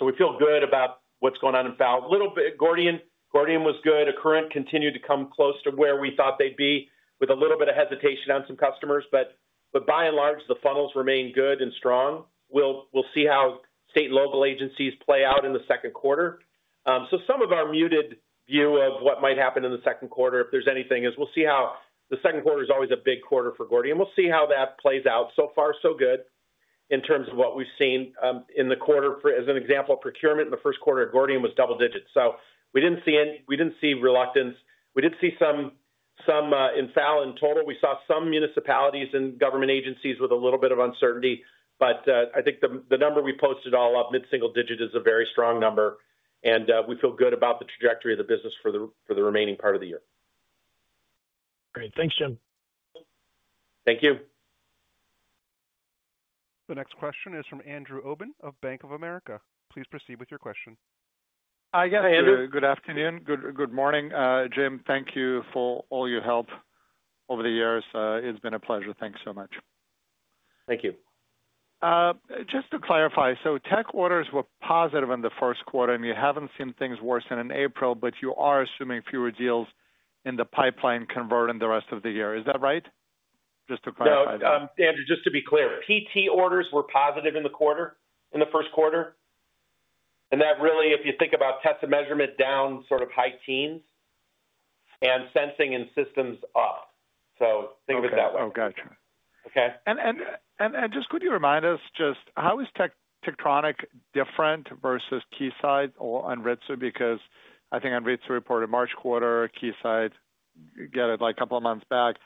We feel good about what's going on in FOWL. Gordian was good. Accruent continued to come close to where we thought they'd be with a little bit of hesitation on some customers. By and large, the funnels remain good and strong. We'll see how state and local agencies play out in the second quarter. Some of our muted view of what might happen in the second quarter, if there's anything, is we'll see how the second quarter is always a big quarter for Gordian. We'll see how that plays out. So far, so good in terms of what we've seen in the quarter. As an example, procurement in the first quarter at Gordian was double digits. We didn't see reluctance. We did see some in FOWL in total. We saw some municipalities and government agencies with a little bit of uncertainty. I think the number we posted all up, mid single digit, is a very strong number. We feel good about the trajectory of the business for the remaining part of the year. Great. Thanks, Jim. Thank you. The next question is from Andrew Obin of Bank of America. Please proceed with your question. Hi, Andrew. Good afternoon. Good morning, Jim. Thank you for all your help over the years. It's been a pleasure. Thanks so much. Thank you. Just to clarify, tech orders were positive in the first quarter, and you haven't seen things worse than in April, but you are assuming fewer deals in the pipeline convert in the rest of the year. Is that right? Just to clarify. No, just to be clear, PT orders were positive in the quarter, in the first quarter. And that really, if you think about test and measurement down, sort of high teens and sensing and systems up. Think of it that way. Oh, gotcha. Okay. Could you remind us just how is Tektronix different versus Keysight or Anritsu? Because I think Anritsu reported March quarter, Keysight got it like a couple of months back.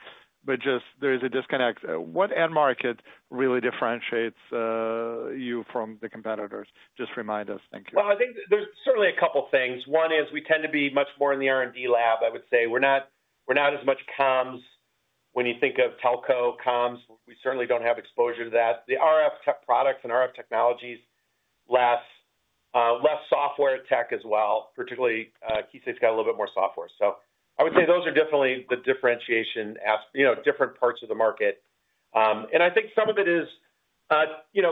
There is a disconnect. What end market really differentiates you from the competitors? Just remind us. Thank you. I think there's certainly a couple of things. One is we tend to be much more in the R&D lab, I would say. We're not as much comms when you think of telco, comms. We certainly don't have exposure to that. The RF products and RF technologies, less software tech as well, particularly Keysight's got a little bit more software. I would say those are definitely the differentiation, different parts of the market. I think some of it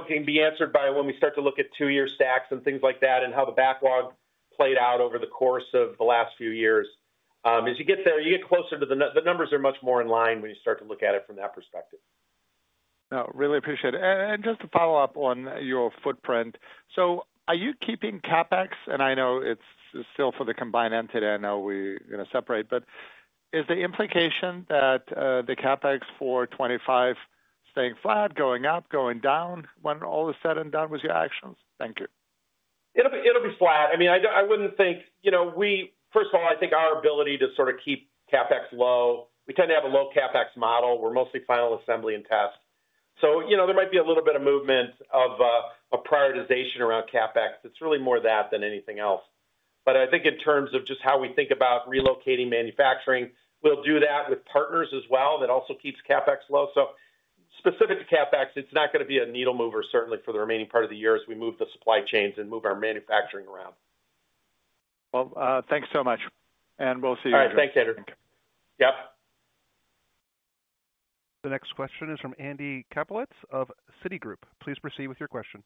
can be answered by when we start to look at two-year stacks and things like that and how the backlog played out over the course of the last few years. As you get there, you get closer to the numbers are much more in line when you start to look at it from that perspective. No, really appreciate it. Just to follow up on your footprint, are you keeping CapEx? I know it's still for the combined entity. I know we're going to separate. Is the implication that the CapEx for 2025 is staying flat, going up, going down when all is said and done with your actions? Thank you. It'll be flat. I mean, I wouldn't think first of all, I think our ability to sort of keep CapEx low. We tend to have a low CapEx model. We're mostly final assembly and test. There might be a little bit of movement of a prioritization around CapEx. It's really more that than anything else. I think in terms of just how we think about relocating manufacturing, we'll do that with partners as well. That also keeps CapEx low. Specific to CapEx, it's not going to be a needle mover, certainly for the remaining part of the year as we move the supply chains and move our manufacturing around. Thanks so much. We'll see you later. All right. Thanks, Andrew. Yep. The next question is from Andy Kaplowitz at Citigroup. Please proceed with your question.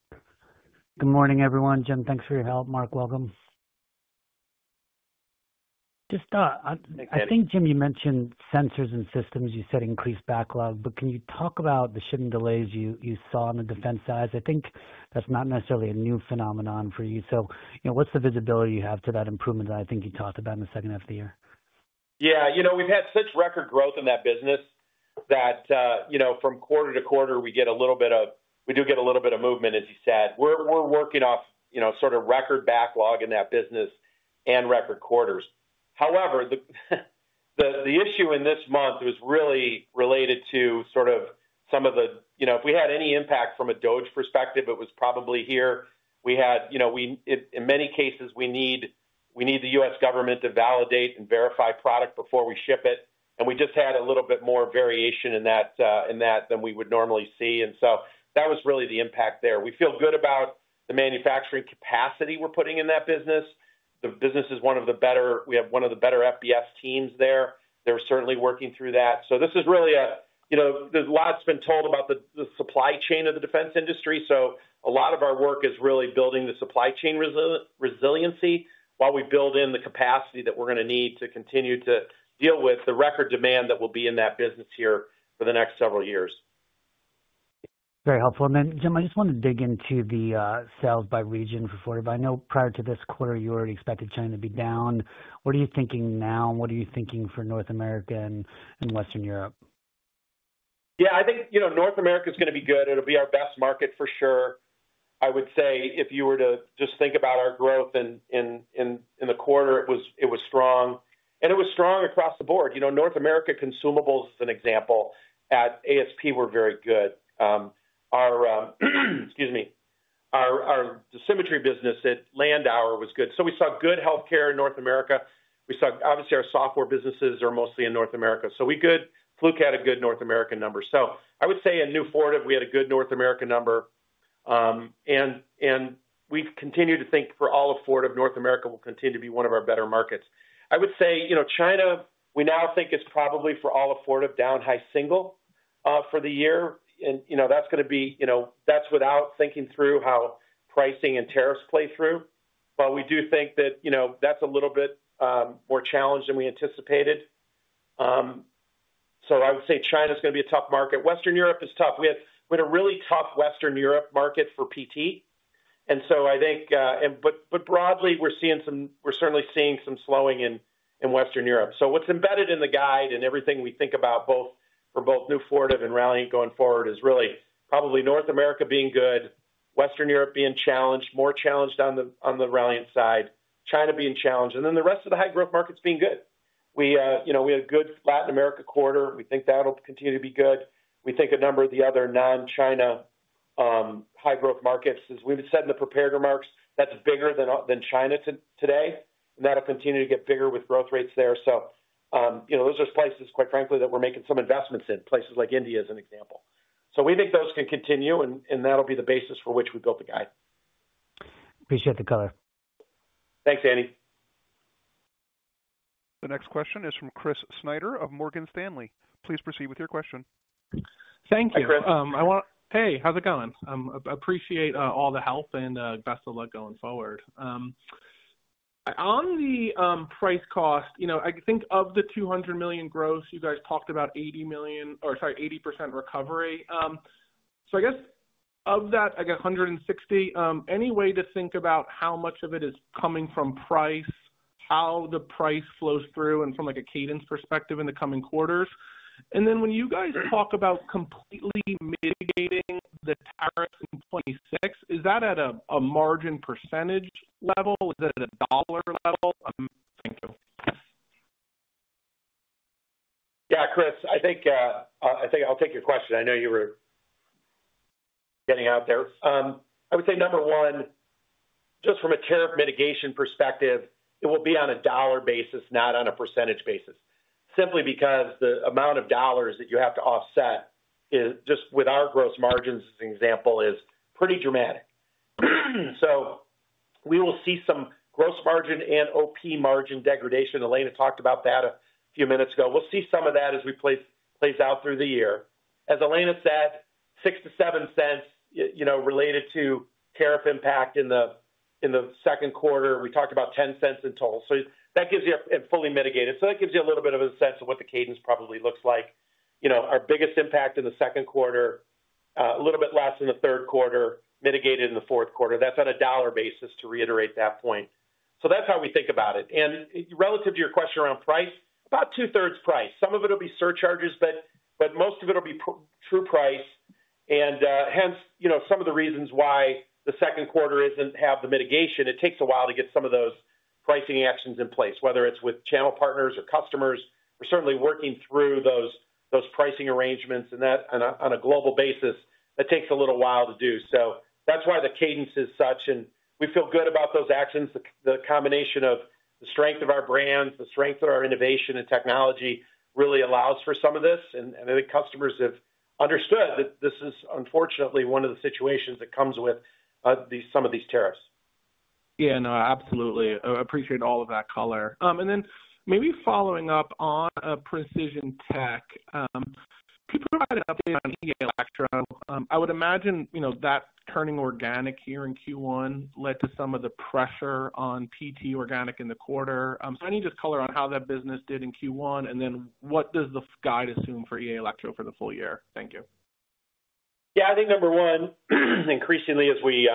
Good morning, everyone. Jim, thanks for your help. Mark, welcome. I just thought, I think, Jim, you mentioned sensors and systems. You said increased backlog. Can you talk about the shipping delays you saw on the defense side? I think that's not necessarily a new phenomenon for you. What is the visibility you have to that improvement that I think you talked about in the second half of the year? Yeah. We've had such record growth in that business that from quarter to quarter, we get a little bit of, we do get a little bit of movement, as you said. We're working off sort of record backlog in that business and record quarters. However, the issue in this month was really related to sort of some of the, if we had any impact from a DoD perspective, it was probably here. We had, in many cases, we need the US government to validate and verify product before we ship it. We just had a little bit more variation in that than we would normally see. That was really the impact there. We feel good about the manufacturing capacity we're putting in that business. The business is one of the better, we have one of the better FBS teams there. They're certainly working through that. This is really a, there's a lot that's been told about the supply chain of the defense industry. A lot of our work is really building the supply chain resiliency while we build in the capacity that we're going to need to continue to deal with the record demand that will be in that business here for the next several years. Very helpful. Jim, I just want to dig into the sales by region for Fortive. I know prior to this quarter, you already expected China to be down. What are you thinking now? What are you thinking for North America and Western Europe? Yeah. I think North America is going to be good. It'll be our best market for sure. I would say if you were to just think about our growth in the quarter, it was strong. It was strong across the board. North America consumables is an example. At ASP, we're very good. Excuse me. Our Symmetry business at Landauer was good. We saw good healthcare in North America. We saw, obviously, our software businesses are mostly in North America. We had a good North American number. I would say in new Fortive, we had a good North American number. We have continued to think for all of Fortive, North America will continue to be one of our better markets. I would say China, we now think it's probably for all of Fortive, down high single for the year. That's going to be without thinking through how pricing and tariffs play through. We do think that that's a little bit more challenged than we anticipated. I would say China is going to be a tough market. Western Europe is tough. We had a really tough Western Europe market for PT. I think broadly, we're certainly seeing some slowing in Western Europe. What's embedded in the guide and everything we think about for both new Fortive and Ralliant going forward is really probably North America being good, Western Europe being challenged, more challenged on the Ralliant side, China being challenged, and then the rest of the high growth markets being good. We had a good Latin America quarter. We think that'll continue to be good. We think a number of the other non-China high growth markets, as we've said in the prepared remarks, that's bigger than China today. That will continue to get bigger with growth rates there. Those are places, quite frankly, that we are making some investments in, places like India, as an example. We think those can continue, and that will be the basis for which we built the guide. Appreciate the color. Thanks, Andy. The next question is from Chris Snyder of Morgan Stanley. Please proceed with your question. Thank you. Hey, how is it going? Appreciate all the help and best of luck going forward. On the price cost, I think of the $200 million gross, you guys talked about 80% recovery. I guess of that, I guess $160 million, any way to think about how much of it is coming from price, how the price flows through, and from a cadence perspective in the coming quarters? When you guys talk about completely mitigating the tariffs in 2026, is that at a margin percentage level? Is that at a dollar level? Thank you. Yeah, Chris, I think I'll take your question. I know you were getting out there. I would say number one, just from a tariff mitigation perspective, it will be on a dollar basis, not on a percentage basis, simply because the amount of dollars that you have to offset just with our gross margins, as an example, is pretty dramatic. We will see some gross margin and OP margin degradation. Elena talked about that a few minutes ago. We will see some of that as we play out through the year. As Elena said, $0.06-$0.07 related to tariff impact in the second quarter. We talked about $0.10 in total. That gives you a fully mitigated. That gives you a little bit of a sense of what the cadence probably looks like. Our biggest impact in the second quarter, a little bit less in the third quarter, mitigated in the fourth quarter. That is on a dollar basis to reiterate that point. That is how we think about it. Relative to your question around price, about two-thirds price. Some of it will be surcharges, but most of it will be true price. Hence, some of the reasons why the second quarter does not have the mitigation. It takes a while to get some of those pricing actions in place, whether it is with channel partners or customers. We are certainly working through those pricing arrangements. On a global basis, that takes a little while to do. That is why the cadence is such. We feel good about those actions. The combination of the strength of our brand, the strength of our innovation and technology really allows for some of this. I think customers have understood that this is unfortunately one of the situations that comes with some of these tariffs. Yeah, no, absolutely. Appreciate all of that color. Maybe following up on Precision Tech, could you provide an update on EA Elektro-Automatik? I would imagine that turning organic here in Q1 led to some of the pressure on PT organic in the quarter. I need just color on how that business did in Q1, and then what does the guide assume for EA Elektro-Automatik for the full year? Thank you. I think number one, increasingly, as we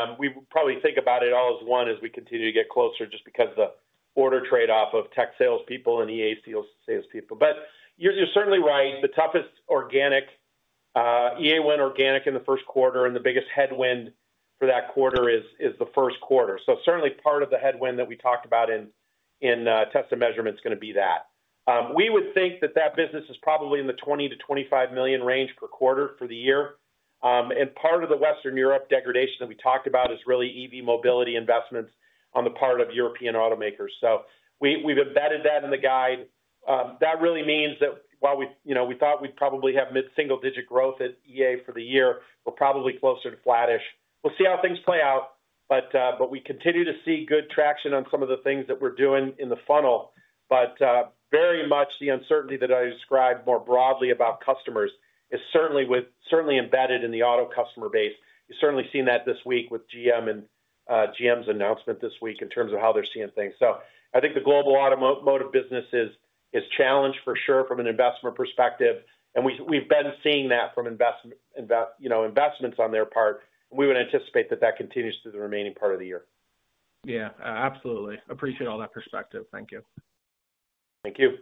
probably think about it all as one as we continue to get closer just because of the order trade-off of tech salespeople and EA salespeople. You're certainly right. The toughest organic EA went organic in the first quarter, and the biggest headwind for that quarter is the first quarter. Certainly, part of the headwind that we talked about in test and measurement is going to be that. We would think that that business is probably in the $20 million-$25 million range per quarter for the year. Part of the Western Europe degradation that we talked about is really EV mobility investments on the part of European automakers. We've embedded that in the guide. That really means that while we thought we'd probably have mid-single-digit growth at EA for the year, we're probably closer to flattish. We'll see how things play out. We continue to see good traction on some of the things that we're doing in the funnel. Very much the uncertainty that I described more broadly about customers is certainly embedded in the auto customer base. You've certainly seen that this week with GM and GM's announcement this week in terms of how they're seeing things. I think the global automotive business is challenged for sure from an investment perspective. We've been seeing that from investments on their part. We would anticipate that that continues through the remaining part of the year. Yeah, absolutely. Appreciate all that perspective. Thank you. Thank you.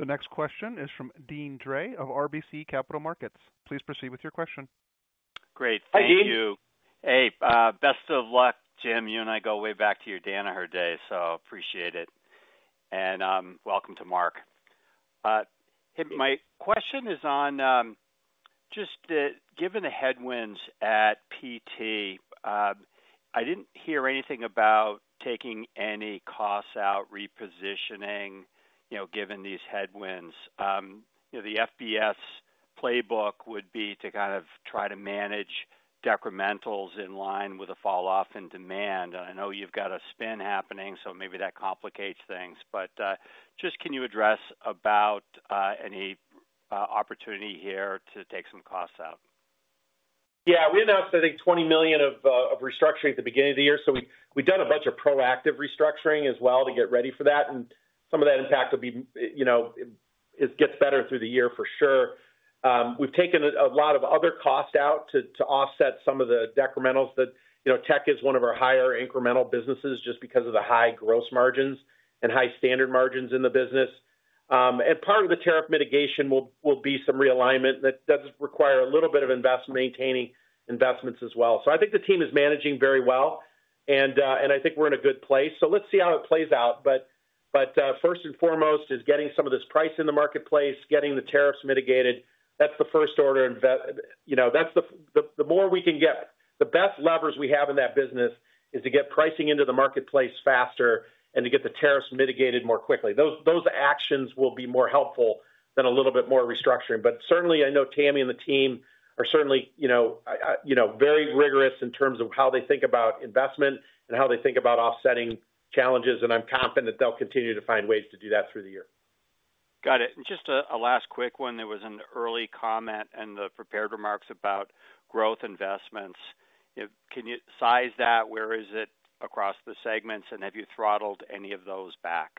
The next question is from Dean Dray of RBC Capital Markets. Please proceed with your question. Great. Thank you. Hi, Dean. Hey, best of luck, Jim. You and I go way back to your Danaher day. Appreciate it. Welcome to Mark. My question is on just given the headwinds at PT, I did not hear anything about taking any costs out, repositioning given these headwinds. The FBS playbook would be to kind of try to manage decrementals in line with a falloff in demand. I know you have got a spin happening, so maybe that complicates things. Can you address about any opportunity here to take some costs out? Yeah. We announced, I think, $20 million of restructuring at the beginning of the year. We have done a bunch of proactive restructuring as well to get ready for that. Some of that impact will be it gets better through the year for sure. We've taken a lot of other costs out to offset some of the decrementals. Tech is one of our higher incremental businesses just because of the high gross margins and high standard margins in the business. Part of the tariff mitigation will be some realignment that does require a little bit of investment, maintaining investments as well. I think the team is managing very well. I think we're in a good place. Let's see how it plays out. First and foremost is getting some of this price in the marketplace, getting the tariffs mitigated. That's the first order in. The more we can get, the best levers we have in that business is to get pricing into the marketplace faster and to get the tariffs mitigated more quickly. Those actions will be more helpful than a little bit more restructuring. Certainly, I know Tami and the team are certainly very rigorous in terms of how they think about investment and how they think about offsetting challenges. I'm confident that they'll continue to find ways to do that through the year. Got it. Just a last quick one. There was an early comment in the prepared remarks about growth investments. Can you size that? Where is it across the segments? Have you throttled any of those back?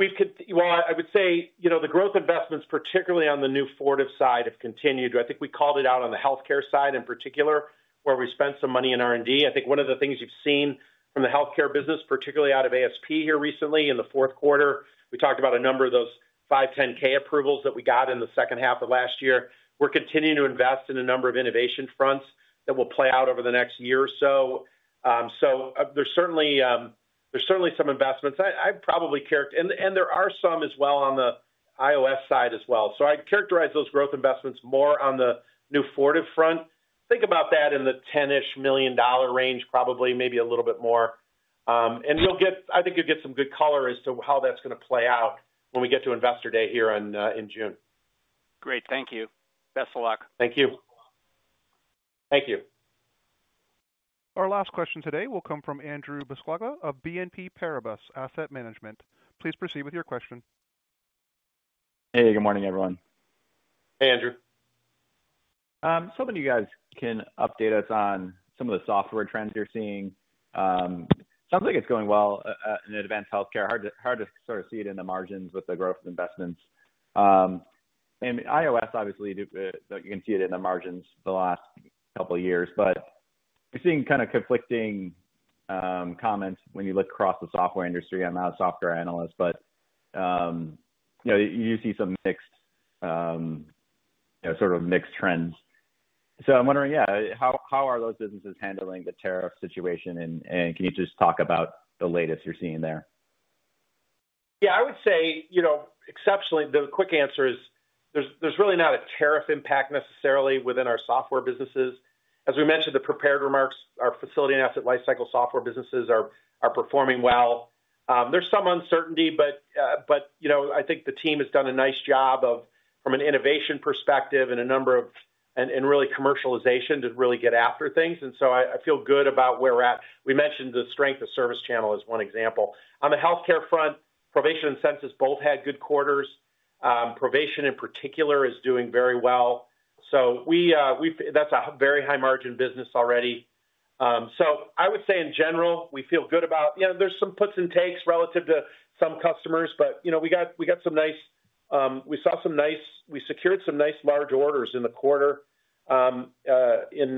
I would say the growth investments, particularly on the new Fortive side, have continued. I think we called it out on the healthcare side in particular, where we spent some money in R&D. I think one of the things you've seen from the healthcare business, particularly out of ASP here recently in the fourth quarter, we talked about a number of those 510K approvals that we got in the second half of last year. We're continuing to invest in a number of innovation fronts that will play out over the next year or so. There are certainly some investments. There are some as well on the IOS side as well. I'd characterize those growth investments more on the new Fortive front. Think about that in the $10 million-ish range, probably maybe a little bit more. I think you'll get some good color as to how that's going to play out when we get to investor day here in June. Great. Thank you. Best of luck. Thank you. Thank you. Our last question today will come from Andrew Bisquelle of BNP Paribas Asset Management. Please proceed with your question. Hey, good morning, everyone. Hey, Andrew. Can you update us on some of the software trends you're seeing? Sounds like it's going well in advanced healthcare. Hard to sort of see it in the margins with the growth investments. In IOS, obviously, you can see it in the margins the last couple of years. We're seeing kind of conflicting comments when you look across the software industry. I'm not a software analyst, but you do see some sort of mixed trends. I'm wondering, how are those businesses handling the tariff situation? Can you just talk about the latest you're seeing there? I would say, exceptionally, the quick answer is there's really not a tariff impact necessarily within our software businesses. As we mentioned, the prepared remarks, our facility and asset lifecycle software businesses are performing well. There's some uncertainty, but I think the team has done a nice job from an innovation perspective and a number of and really commercialization to really get after things. I feel good about where we're at. We mentioned the strength of Service Channel as one example. On the healthcare front, Provation and Census both had good quarters. Provation in particular is doing very well. That's a very high-margin business already. I would say in general, we feel good about there's some puts and takes relative to some customers, but we got some nice we saw some nice we secured some nice large orders in the quarter in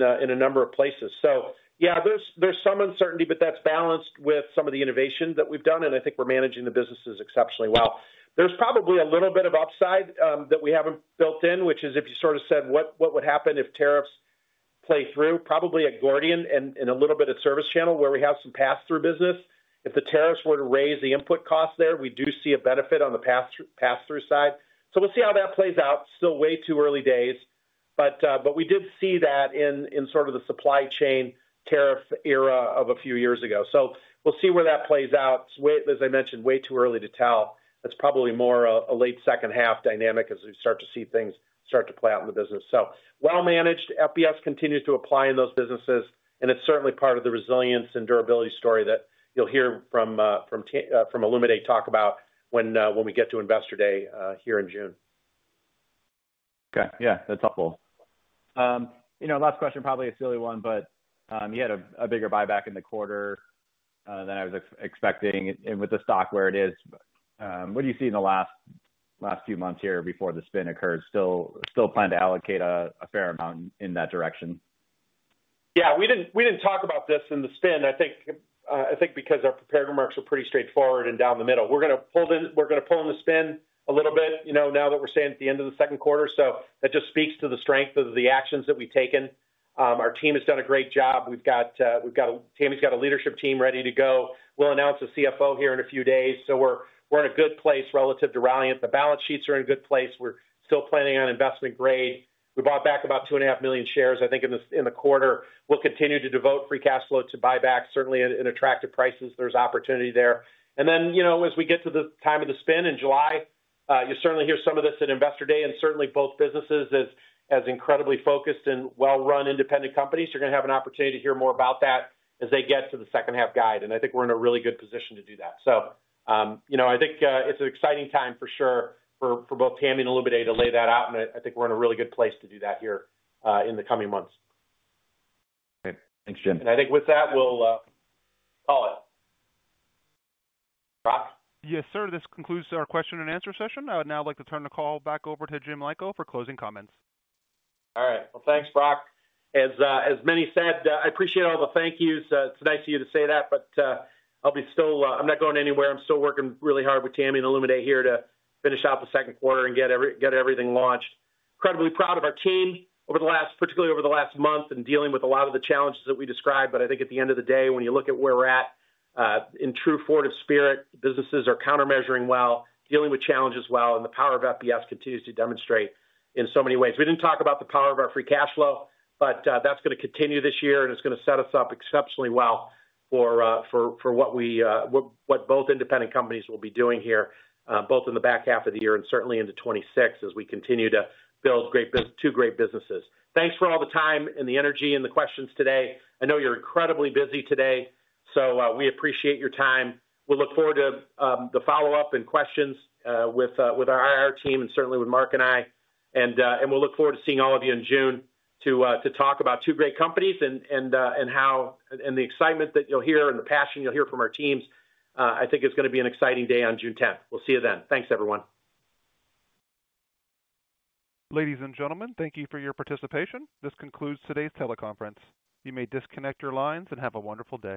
a number of places. There's some uncertainty, but that's balanced with some of the innovation that we've done. I think we're managing the businesses exceptionally well. There's probably a little bit of upside that we haven't built in, which is if you sort of said what would happen if tariffs play through, probably at Gordian and a little bit at Service Channel where we have some pass-through business. If the tariffs were to raise the input costs there, we do see a benefit on the pass-through side. We'll see how that plays out. Still way too early days. We did see that in sort of the supply chain tariff era of a few years ago. We'll see where that plays out. As I mentioned, way too early to tell. That's probably more a late second half dynamic as we start to see things start to play out in the business. Well-managed, FBS continues to apply in those businesses. It is certainly part of the resilience and durability story that you will hear from Ilan Schneider talk about when we get to investor day here in June. Okay. Yeah, that is helpful. Last question, probably a silly one, but you had a bigger buyback in the quarter than I was expecting. With the stock where it is, what do you see in the last few months here before the spin occurs? Still plan to allocate a fair amount in that direction? Yeah, we did not talk about this in the spin. I think because our prepared remarks are pretty straightforward and down the middle. We are going to pull in the spin a little bit now that we are saying at the end of the second quarter. That just speaks to the strength of the actions that we have taken. Our team has done a great job. Tammy's got a leadership team ready to go. We'll announce a CFO here in a few days. We are in a good place relative to Ralliant. The balance sheets are in a good place. We are still planning on investment grade. We bought back about 2.5 million shares, I think, in the quarter. We will continue to devote free cash flow to buyback, certainly at attractive prices. There is opportunity there. As we get to the time of the spin in July, you will certainly hear some of this at Investor Day. Certainly, both businesses as incredibly focused and well-run independent companies, you are going to have an opportunity to hear more about that as they get to the second half guide. I think we are in a really good position to do that. I think it's an exciting time for sure for both Tami and Ilan to lay that out. I think we're in a really good place to do that here in the coming months. Great. Thanks, Jim. I think with that, we'll call it. Yes, sir. This concludes our question and answer session. I would now like to turn the call back over to Jim Lico for closing comments. All right. Thanks, Brock. As many said, I appreciate all the thank yous. It's nice of you to say that, but I'm still not going anywhere. I'm still working really hard with Tami and Ilan here to finish out the second quarter and get everything launched. Incredibly proud of our team over the last, particularly over the last month and dealing with a lot of the challenges that we described. I think at the end of the day, when you look at where we're at in true Fortive spirit, businesses are countermeasuring well, dealing with challenges well, and the power of FBS continues to demonstrate in so many ways. We didn't talk about the power of our free cash flow, but that's going to continue this year. It's going to set us up exceptionally well for what both independent companies will be doing here, both in the back half of the year and certainly into 2026 as we continue to build two great businesses. Thanks for all the time and the energy and the questions today. I know you're incredibly busy today. We appreciate your time. We'll look forward to the follow-up and questions with our team, and certainly with Mark and I. We look forward to seeing all of you in June to talk about two great companies and the excitement that you'll hear and the passion you'll hear from our teams. I think it's going to be an exciting day on June 10th. We'll see you then. Thanks, everyone. Ladies and gentlemen, thank you for your participation. This concludes today's teleconference. You may disconnect your lines and have a wonderful day.